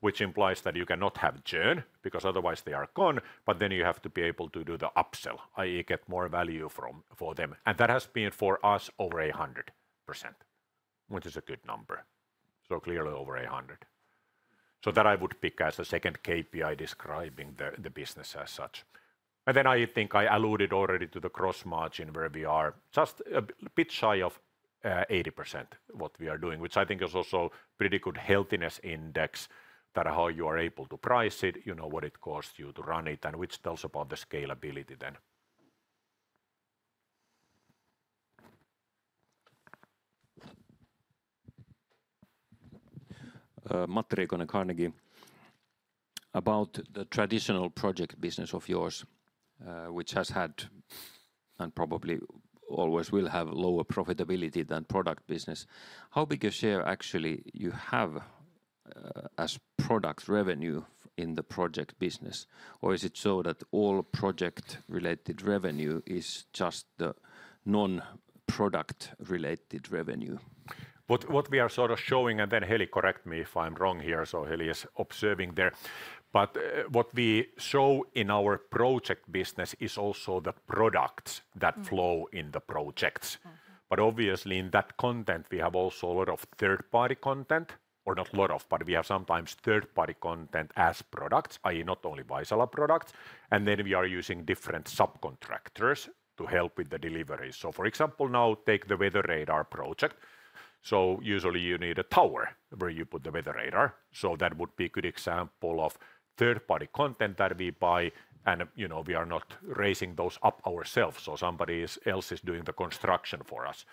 [SPEAKER 2] which implies that you cannot have churn because otherwise they are gone. But then you have to be able to do the upsell, i.e., get more value for them. And that has been for us over 100%, which is a good number. So clearly over 100%. So that I would pick as a second KPI describing the business as such. And then I think I alluded already to the gross margin where we are just a bit shy of 80% what we are doing, which I think is also a pretty good healthiness index that how you are able to price it, you know what it costs you to run it and which tells about the scalability then. Matti Riikonen, Carnegie, about the traditional project business of yours, which has had and probably always will have lower profitability than product business, how big a share actually you have as product revenue in the project business? Or is it so that all project-related revenue is just the non-product-related revenue? What we are sort of showing, and then, Heli, correct me if I'm wrong here, so Heli is observing there. But what we show in our project business is also the products that flow in the projects. But obviously in that content, we have also a lot of third-party content, or not a lot of, but we have sometimes third-party content as products, i.e., not only Vaisala products. And then we are using different subcontractors to help with the delivery. So for example, now take the weather radar project. So usually you need a tower where you put the weather radar. So that would be a good example of third-party content that we buy. And you know, we are not raising those up ourselves. So somebody else is doing the construction for us.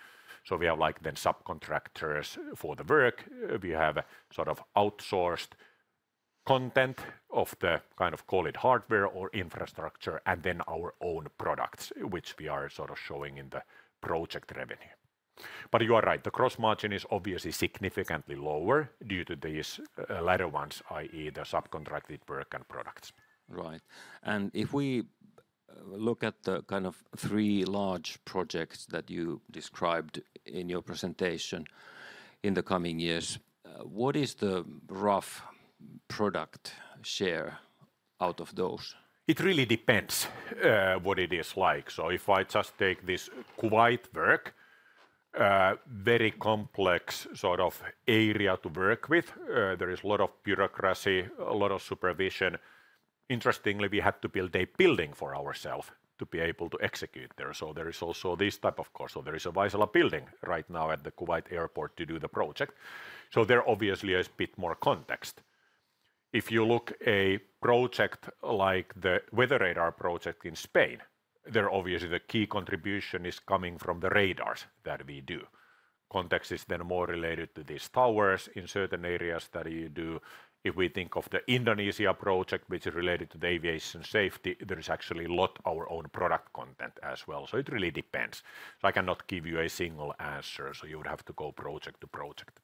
[SPEAKER 2] We have like then subcontractors for the work. We have a sort of outsourced content of the kind of call it hardware or infrastructure and then our own products, which we are sort of showing in the project revenue. But you are right, the gross margin is obviously significantly lower due to these latter ones, i.e., the subcontracted work and products. Right. And if we look at the kind of three large projects that you described in your presentation in the coming years, what is the rough product share out of those? It really depends what it is like. So if I just take this Kuwait work, very complex sort of area to work with, there is a lot of bureaucracy, a lot of supervision. Interestingly, we had to build a building for ourselves to be able to execute there. So there is also this type of course. There is a Vaisala building right now at the Kuwait airport to do the project. There obviously is a bit more context. If you look at a project like the weather radar project in Spain, there obviously the key contribution is coming from the radars that we do. Context is then more related to these towers in certain areas that you do. If we think of the Indonesia project, which is related to the aviation safety, there is actually a lot of our own product content as well. It really depends. I cannot give you a single answer. You would have to go project to project.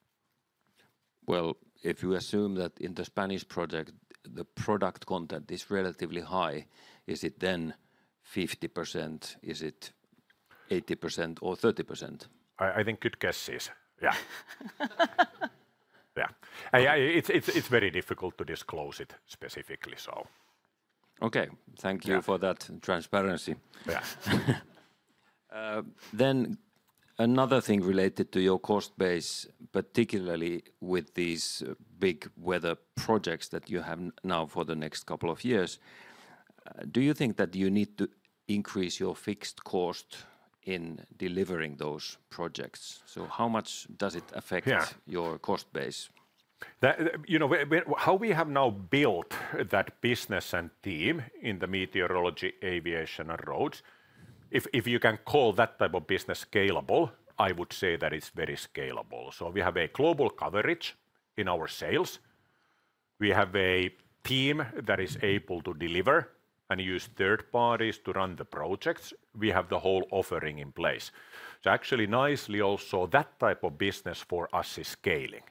[SPEAKER 2] If you assume that in the Spanish project, the product content is relatively high, is it then 50%, is it 80% or 30%? I think good guesses. Yeah. Yeah. It's very difficult to disclose it specifically, so. Okay. Thank you for that transparency. Then another thing related to your cost base, particularly with these big weather projects that you have now for the next couple of years. Do you think that you need to increase your fixed cost in delivering those projects? So how much does it affect your cost base? You know, how we have now built that business and team in the meteorology, aviation, and roads. If you can call that type of business scalable, I would say that it's very scalable. So we have a global coverage in our sales. We have a team that is able to deliver and use third parties to run the projects. We have the whole offering in place. So actually nicely also that type of business for us is scaling.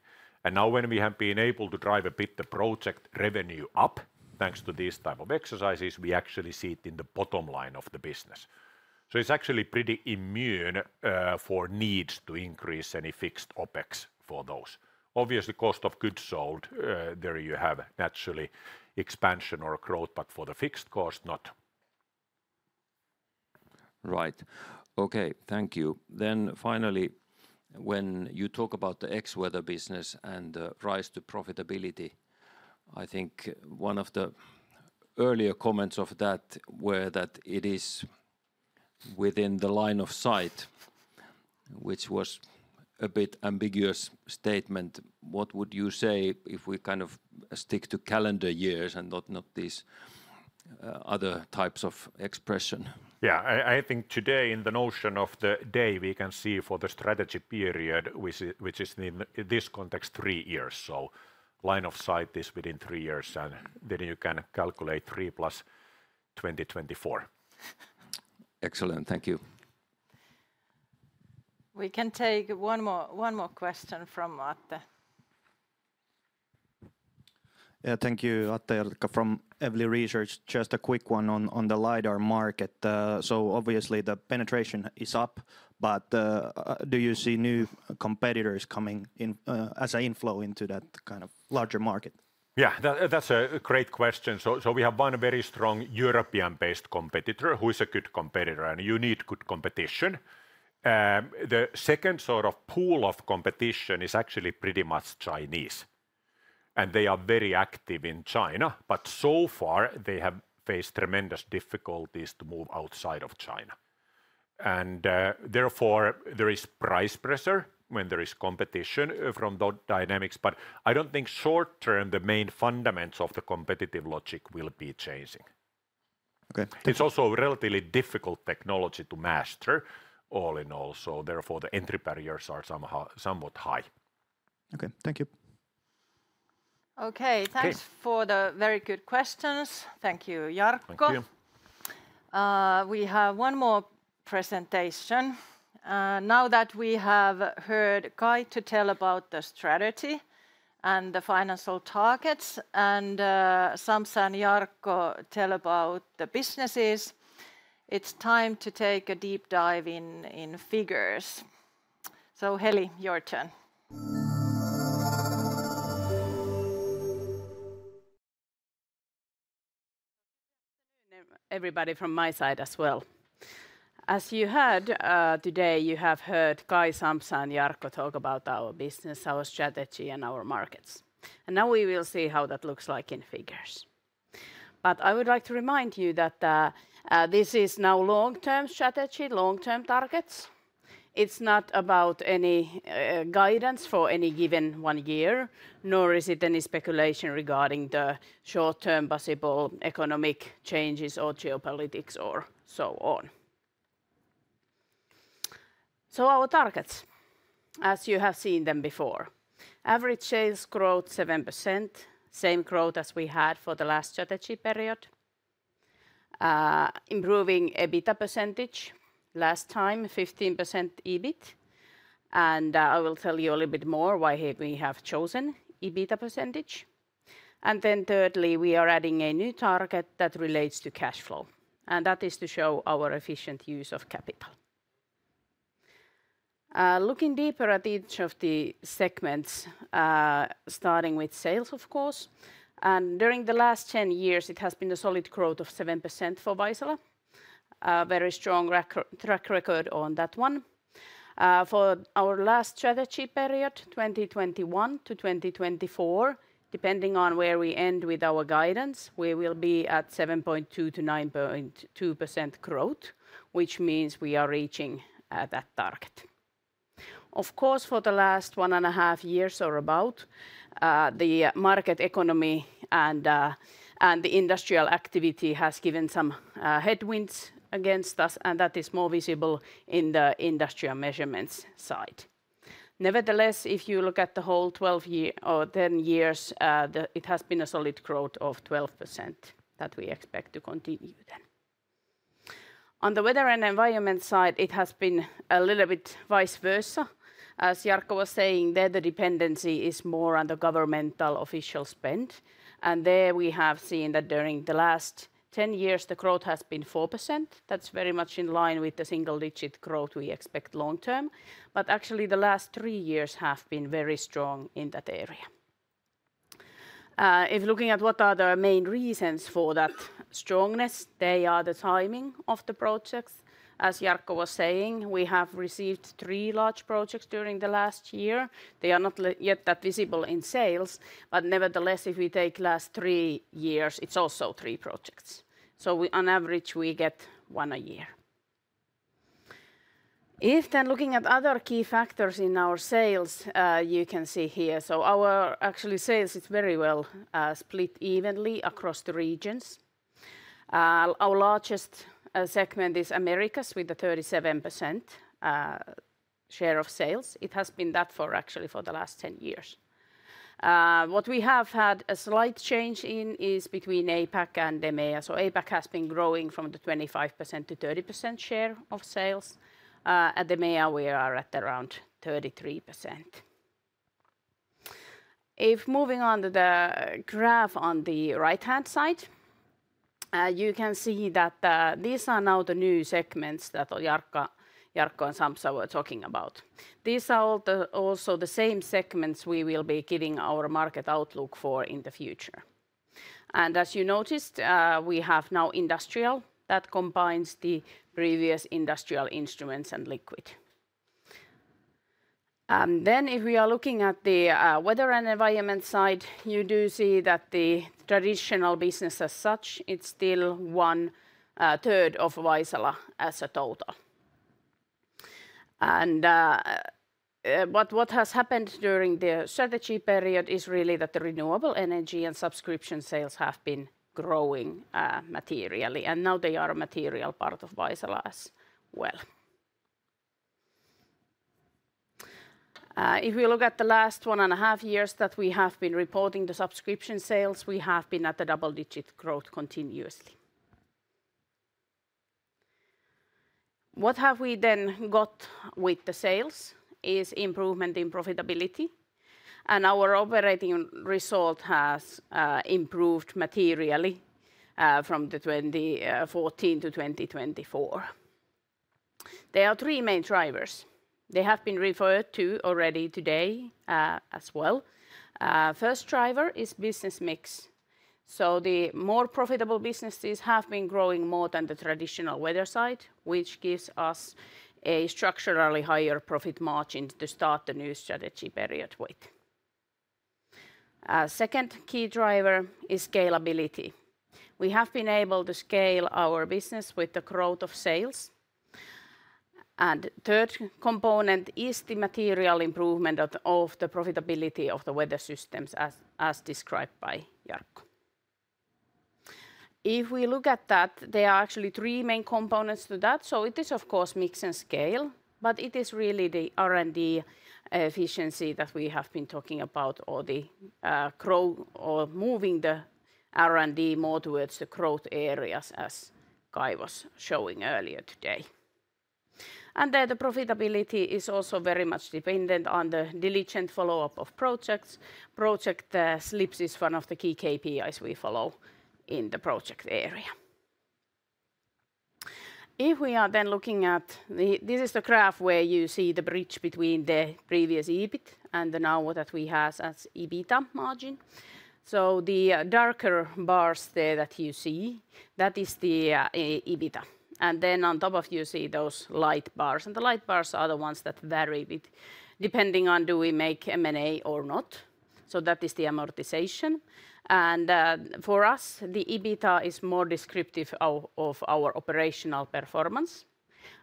[SPEAKER 2] And now when we have been able to drive a bit the project revenue up, thanks to these type of exercises, we actually see it in the bottom line of the business. So it's actually pretty immune for needs to increase any fixed OpEx for those. Obviously, cost of goods sold, there you have naturally expansion or growth, but for the fixed cost, not. Right. Okay. Thank you. Then finally, when you talk about the Xweather business and the rise to profitability, I think one of the earlier comments of that were that it is within the line of sight, which was a bit ambiguous statement. What would you say if we kind of stick to calendar years and not these other types of expression? Yeah, I think today in the notion of the day, we can see for the strategy period, which is in this context, three years. Line of sight is within three years, and then you can calculate three plus 2024. Excellent. Thank you. We can take one more question from Atte. Thank you, Atte Erikka from Evli Research. Just a quick one on the LiDAR market. So obviously the penetration is up, but do you see new competitors coming as an inflow into that kind of larger market? Yeah, that's a great question. So we have one very strong European-based competitor who is a good competitor, and you need good competition. The second sort of pool of competition is actually pretty much Chinese, and they are very active in China, but so far they have faced tremendous difficulties to move outside of China. And therefore there is price pressure when there is competition from those dynamics, but I don't think short term the main fundaments of the competitive logic will be changing.
[SPEAKER 4] It's also a relatively difficult technology to master all in all, so therefore the entry barriers are somewhat high. Okay, thank you. Okay, thanks for the very good questions. Thank you, Jarkko. Thank you. We have one more presentation.
[SPEAKER 1] Now that we have heard Kai to tell about the strategy and the financial targets and Sampsa and Jarkko tell about the businesses, it's time to take a deep dive in figures. So Heli, your turn. Everybody from my side as well. As you heard today, you have heard Kai, Sampsa, and Jarkko talk about our business, our strategy, and our markets. And now we will see how that looks like in figures. But I would like to remind you that this is now long-term strategy, long-term targets. It's not about any guidance for any given one year, nor is it any speculation regarding the short-term possible economic changes or geopolitics or so on. So our targets, as you have seen them before, average sales growth 7%, same growth as we had for the last strategy period, improving EBITDA percentage last time, 15% EBIT, and I will tell you a little bit more why we have chosen EBITDA percentage, and then thirdly, we are adding a new target that relates to cash flow, and that is to show our efficient use of capital. Looking deeper at each of the segments, starting with sales, of course, and during the last 10 years, it has been a solid growth of 7% for Vaisala, very strong track record on that one. For our last strategy period, 2021 to 2024, depending on where we end with our guidance, we will be at 7.2%-9.2% growth, which means we are reaching that target. Of course, for the last one and a half years or about, the market economy and the industrial activity has given some headwinds against us, and that is more visible in the Industrial Measurements side. Nevertheless, if you look at the whole 12 or 10 years, it has been a solid growth of 12% that we expect to continue then. On the Weather and Environment side, it has been a little bit vice versa. As Jarkko was saying, there the dependency is more on the governmental official spend, and there we have seen that during the last ten years, the growth has been 4%. That's very much in line with the single-digit growth we expect long-term, but actually the last three years have been very strong in that area. If looking at what are the main reasons for that strongness, they are the timing of the projects. As Jarkko was saying, we have received three large projects during the last year. They are not yet that visible in sales, but nevertheless, if we take last three years, it's also three projects. So on average, we get one a year. If then looking at other key factors in our sales, you can see here, so our actual sales is very well split evenly across the regions. Our largest segment is Americas with a 37% share of sales. It has been that for actually for the last 10 years. What we have had a slight change in is between APAC and EMEA. So APAC has been growing from the 25% to 30% share of sales. At EMEA, we are at around 33%. If moving on to the graph on the right-hand side, you can see that these are now the new segments that Jarkko and Sampsa were talking about. These are also the same segments we will be giving our market outlook for in the future. And as you noticed, we have now industrial that combines the previous industrial instruments and liquids. Then if we are looking at the weather and environment side, you do see that the traditional business as such, it's still one third of Vaisala as a total. And what has happened during the strategy period is really that the renewable energy and subscription sales have been growing materially, and now they are a material part of Vaisala as well. If we look at the last one and a half years that we have been reporting the subscription sales, we have been at a double-digit growth continuously. What have we then got with the sales is improvement in profitability, and our operating result has improved materially from 2014 to 2024. There are three main drivers. They have been referred to already today as well. First driver is business mix. So the more profitable businesses have been growing more than the traditional weather side, which gives us a structurally higher profit margin to start the new strategy period with. Second key driver is scalability. We have been able to scale our business with the growth of sales. And third component is the material improvement of the profitability of the weather systems as described by Jarkko. If we look at that, there are actually three main components to that. So it is of course mix and scale, but it is really the R&D efficiency that we have been talking about or the growth or moving the R&D more towards the growth areas as Kai was showing earlier today. And then the profitability is also very much dependent on the diligent follow-up of projects. Project slips is one of the key KPIs we follow in the project area. If we are then looking at, this is the graph where you see the bridge between the previous EBIT and the now what we have as EBITDA margin. So the darker bars there that you see, that is the EBITDA. And then on top, you see those light bars. And the light bars are the ones that vary depending on do we make M&A or not. So that is the amortization. For us, the EBITDA is more descriptive of our operational performance,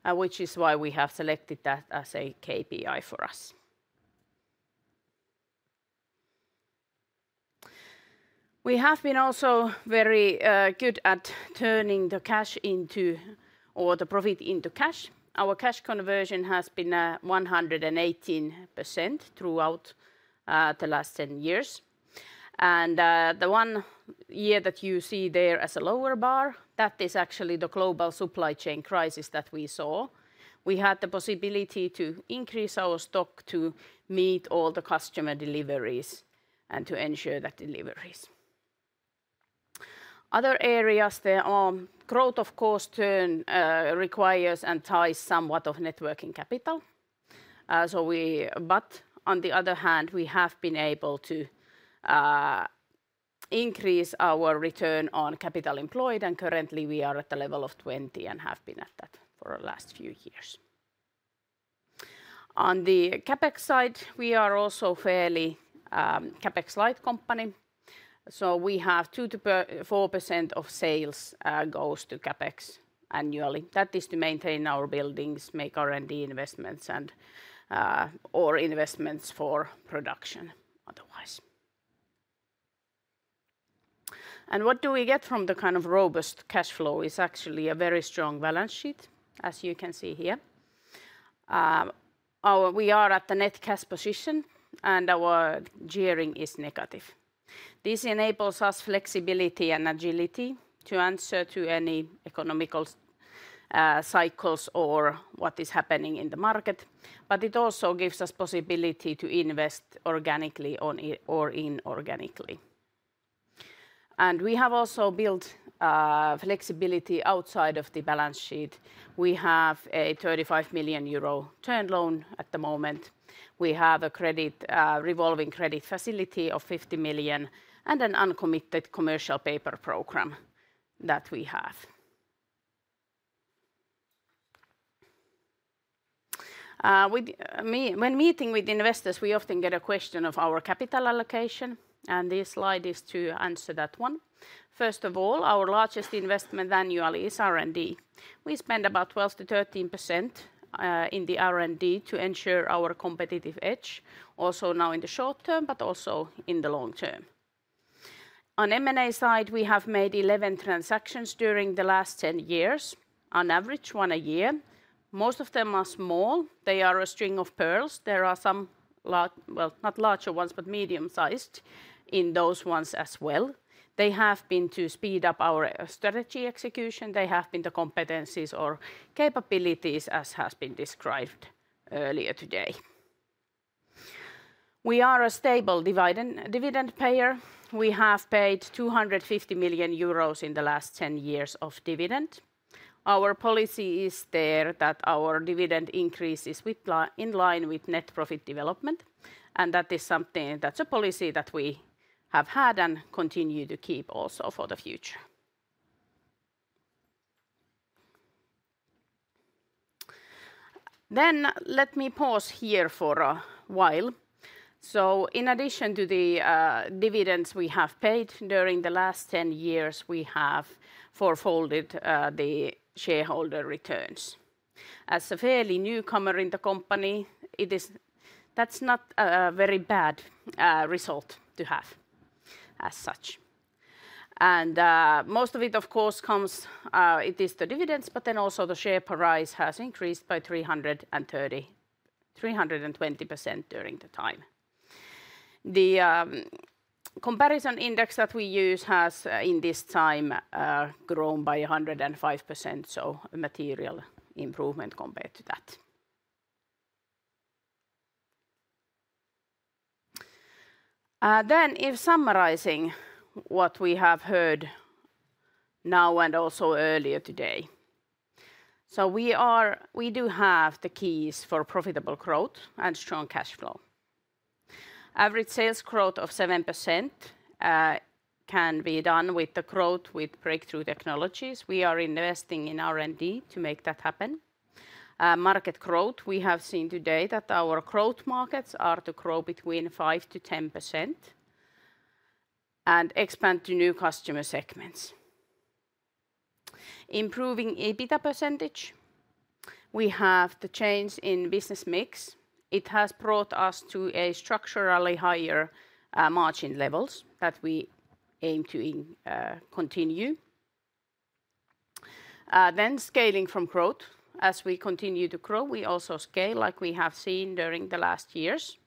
[SPEAKER 1] which is why we have selected that as a KPI for us. We have been also very good at turning the cash into or the profit into cash. Our cash conversion has been 118% throughout the last ten years. The one year that you see there as a lower bar, that is actually the global supply chain crisis that we saw. We had the possibility to increase our stock to meet all the customer deliveries and to ensure that deliveries. Other areas there are growth of course turn requires and ties somewhat of working capital. On the other hand, we have been able to increase our return on capital employed and currently we are at the level of 20% and have been at that for the last few years. On the CapEx side, we are also fairly CapEx light company. So we have 4% of sales goes to CapEx annually. That is to maintain our buildings, make R&D investments or investments for production otherwise. And what do we get from the kind of robust cash flow is actually a very strong balance sheet as you can see here. We are at the net cash position and our gearing is negative. This enables us flexibility and agility to answer to any economic cycles or what is happening in the market. But it also gives us possibility to invest organically or inorganically. And we have also built flexibility outside of the balance sheet. We have a 35 million euro term loan at the moment. We have a revolving credit facility of 50 million and an uncommitted commercial paper program that we have. When meeting with investors, we often get a question of our capital allocation and this slide is to answer that one. First of all, our largest investment annually is R&D. We spend about 12%-13% in the R&D to ensure our competitive edge also now in the short term but also in the long term. On M&A side, we have made 11 transactions during the last ten years on average one a year. Most of them are small. They are a string of pearls. There are some, well, not larger ones but medium-sized in those ones as well. They have been to speed up our strategy execution. They have been the competencies or capabilities as has been described earlier today. We are a stable dividend payer. We have paid 250 million euros in the last ten years of dividend. Our policy is there that our dividend increase is in line with net profit development, and that is something that's a policy that we have had and continue to keep also for the future. Then let me pause here for a while. So in addition to the dividends we have paid during the last 10 years, we have fourfolded the shareholder returns. As a fairly newcomer in the company, that's not a very bad result to have as such. And most of it of course comes. It is the dividends, but then also the share price has increased by 320% during the time. The comparison index that we use has in this time grown by 105%, so a material improvement compared to that. Then, if summarizing what we have heard now and also earlier today. So we do have the keys for profitable growth and strong cash flow. Average sales growth of 7% can be done with the growth with breakthrough technologies. We are investing in R&D to make that happen. Market growth, we have seen today that our growth markets are to grow between 5%-10% and expand to new customer segments. Improving EBITDA percentage. We have the change in business mix. It has brought us to a structurally higher margin levels that we aim to continue. Scaling from growth. As we continue to grow, we also scale like we have seen during the last years.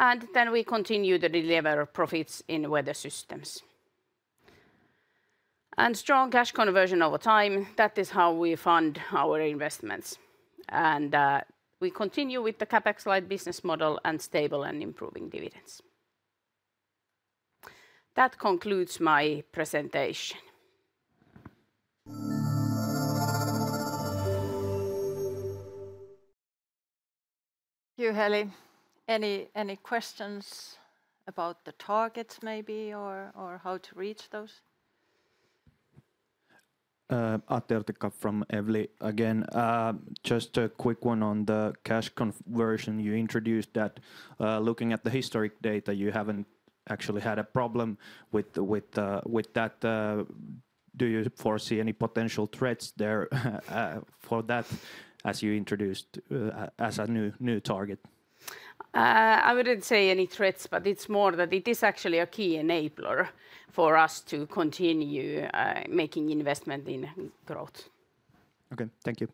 [SPEAKER 1] We continue to deliver profits in weather systems. Strong cash conversion over time. That is how we fund our investments. We continue with the CapEx light business model and stable and improving dividends. That concludes my presentation. Thank you, Heli. Any questions about the targets maybe or how to reach those? Atte Erikka from Evli again. Just a quick one on the cash conversion you introduced that looking at the historic data, you haven't actually had a problem with that. Do you foresee any potential threats there for that as you introduced as a new target? I wouldn't say any threats, but it's more that it is actually a key enabler for us to continue making investment in growth. Okay, thank you.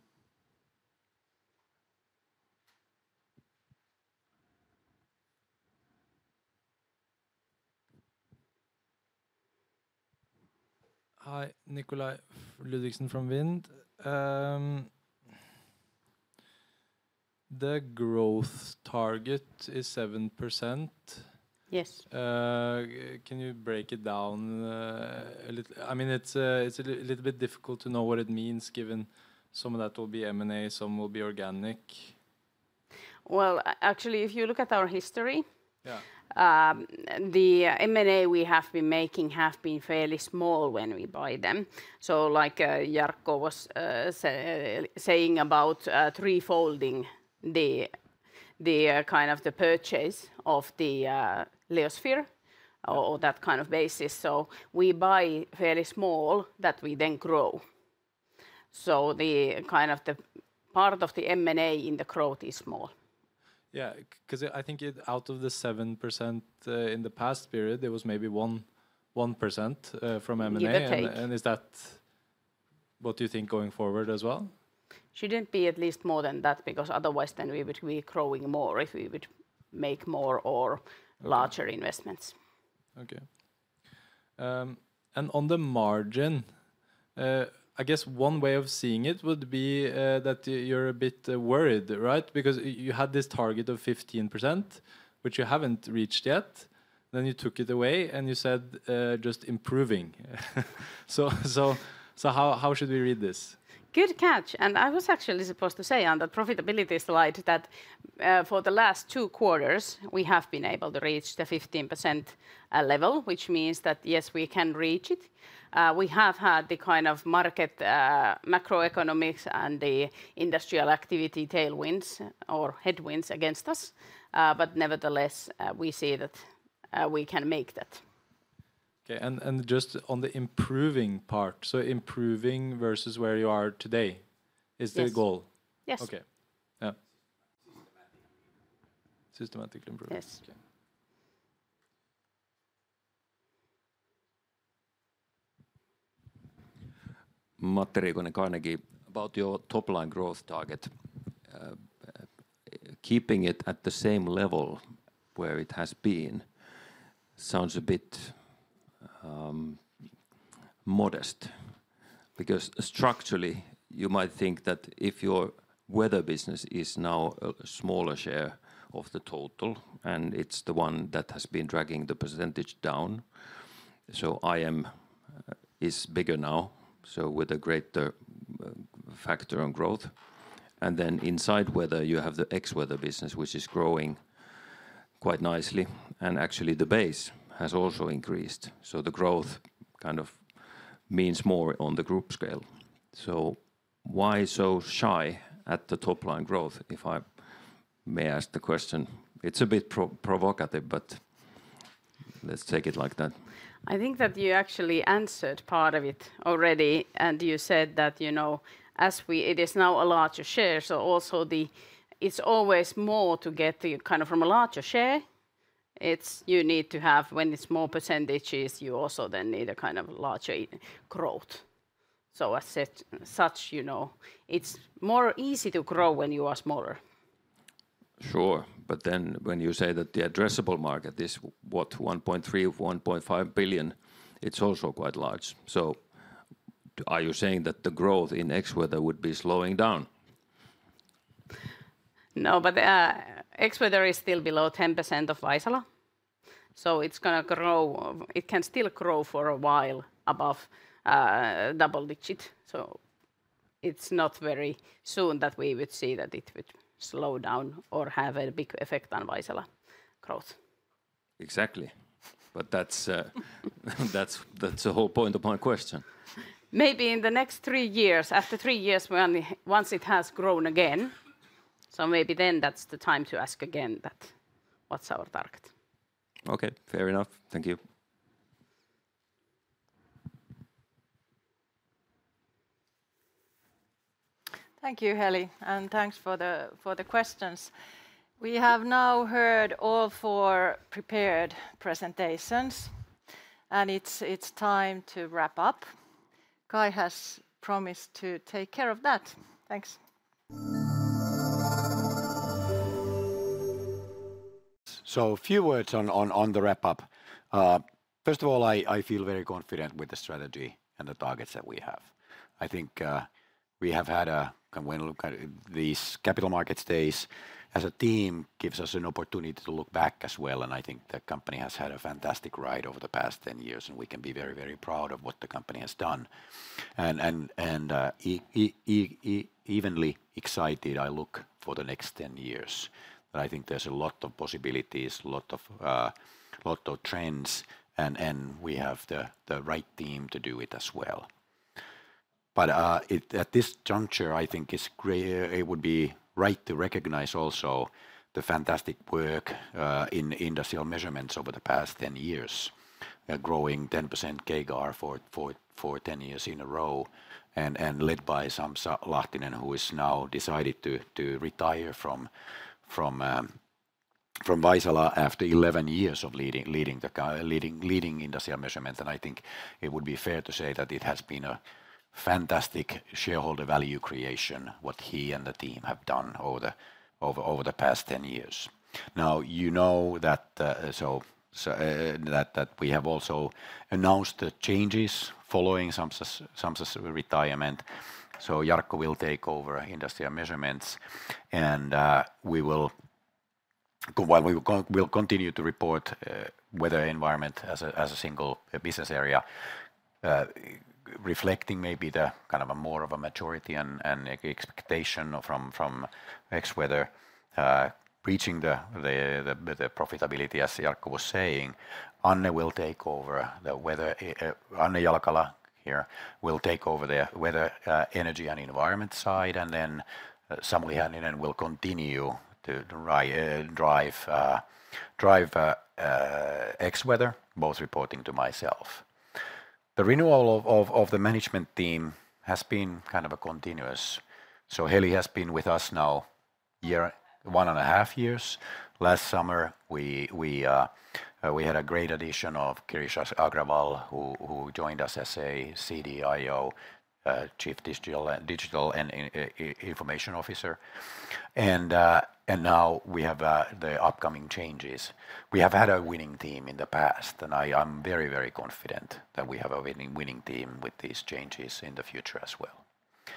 [SPEAKER 1] Hi, Nikolai Ludvigsen from Wind. The growth target is 7%. Yes. Can you break it down a little? I mean, it's a little bit difficult to know what it means given some of that will be M&A, some will be organic. Actually, if you look at our history, the M&A we have been making have been fairly small when we buy them. So like Jarkko was saying about threefolding the kind of the purchase of the Leosphere or that kind of basis. So we buy fairly small that we then grow. So the kind of the part of the M&A in the growth is small. Yeah, because I think out of the 7% in the past period, there was maybe 1% from M&A. And is that what you think going forward as well? Shouldn't be at least more than that because otherwise then we would be growing more if we would make more or larger investments. Okay. And on the margin, I guess one way of seeing it would be that you're a bit worried, right? Because you had this target of 15%, which you haven't reached yet. Then you took it away and you said just improving. So how should we read this? Good catch. I was actually supposed to say on the profitability slide that for the last two quarters, we have been able to reach the 15% level, which means that yes, we can reach it. We have had the kind of market macroeconomics and the industrial activity tailwinds or headwinds against us. Nevertheless, we see that we can make that. Okay. Just on the improving part, so improving versus where you are today, is the goal? Yes. Okay. Systematic improvement. Yes. Matti Riikonen, about your top-line growth target. Keeping it at the same level where it has been sounds a bit modest because structurally you might think that if your weather business is now a smaller share of the total and it's the one that has been dragging the percentage down, so IM is bigger now, so with a greater factor on growth. And then inside weather, you have the Xweather business, which is growing quite nicely. And actually the base has also increased. So the growth kind of means more on the group scale. So why so shy at the top-line growth, if I may ask the question? It's a bit provocative, but let's take it like that. I think that you actually answered part of it already. And you said that, you know, as it is now a larger share, so also it's always more to get kind of from a larger share. You need to have when it's more percentages, you also then need a kind of larger growth. So as such, you know, it's more easy to grow when you are smaller. Sure. But then when you say that the addressable market is what, 1.3-1.5 billion, it's also quite large. So are you saying that the growth in Xweather would be slowing down? No, but Xweather is still below 10% of Vaisala. So it's going to grow; it can still grow for a while above double digit. So it's not very soon that we would see that it would slow down or have a big effect on Vaisala growth. Exactly. But that's the whole point of my question. Maybe in the next three years, after three years, once it has grown again. So maybe then that's the time to ask again that what's our target. Okay, fair enough. Thank you. Thank you, Heli. And thanks for the questions. We have now heard all four prepared presentations, and it's time to wrap up. Kai has promised to take care of that. Thanks. So a few words on the wrap-up.
[SPEAKER 2] First of all, I feel very confident with the strategy and the targets that we have. I think we have had a kind of when these capital markets days as a team gives us an opportunity to look back as well. I think the company has had a fantastic ride over the past 10 years and we can be very, very proud of what the company has done. Equally excited, I look for the next 10 years. I think there's a lot of possibilities, a lot of trends, and we have the right team to do it as well. But at this juncture, I think it would be right to recognize also the fantastic work in industrial measurements over the past 10 years, growing 10% CAGR for 10 years in a row and led by Sampsa Lahtinen, who has now decided to retire from Vaisala after 11 years of leading industrial measurement. And I think it would be fair to say that it has been a fantastic shareholder value creation, what he and the team have done over the past 10 years. Now, you know that we have also announced the changes following Sampsa's retirement. So Jarkko will take over industrial measurements and we will continue to report weather environment as a single business area, reflecting maybe the kind of a more of a majority and expectation from Xweather, reaching the profitability as Jarkko was saying. Anne will take over the weather. Anne Jalkala here will take over the weather, energy, and environment side. And then Samuli Hänninen will continue to drive Xweather, both reporting to myself. The renewal of the management team has been kind of a continuous. So Heli has been with us now one and a half years. Last summer, we had a great addition of Kirsi Agarwal, who joined us as a CDIO, Chief Digital and Information Officer. And now we have the upcoming changes. We have had a winning team in the past, and I'm very, very confident that we have a winning team with these changes in the future as well.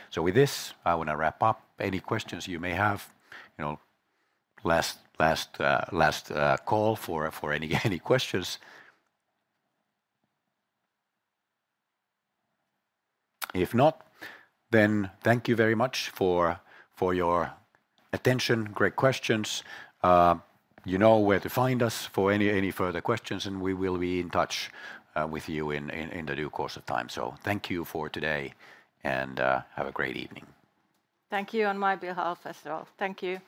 [SPEAKER 2] So with this, I want to wrap up. Any questions you may have? Last call for any questions. If not, then thank you very much for your attention, great questions. You know where to find us for any further questions, and we will be in touch with you in the due course of time. So thank you for today and have a great evening.
[SPEAKER 1] Thank you on my behalf as well. Thank you.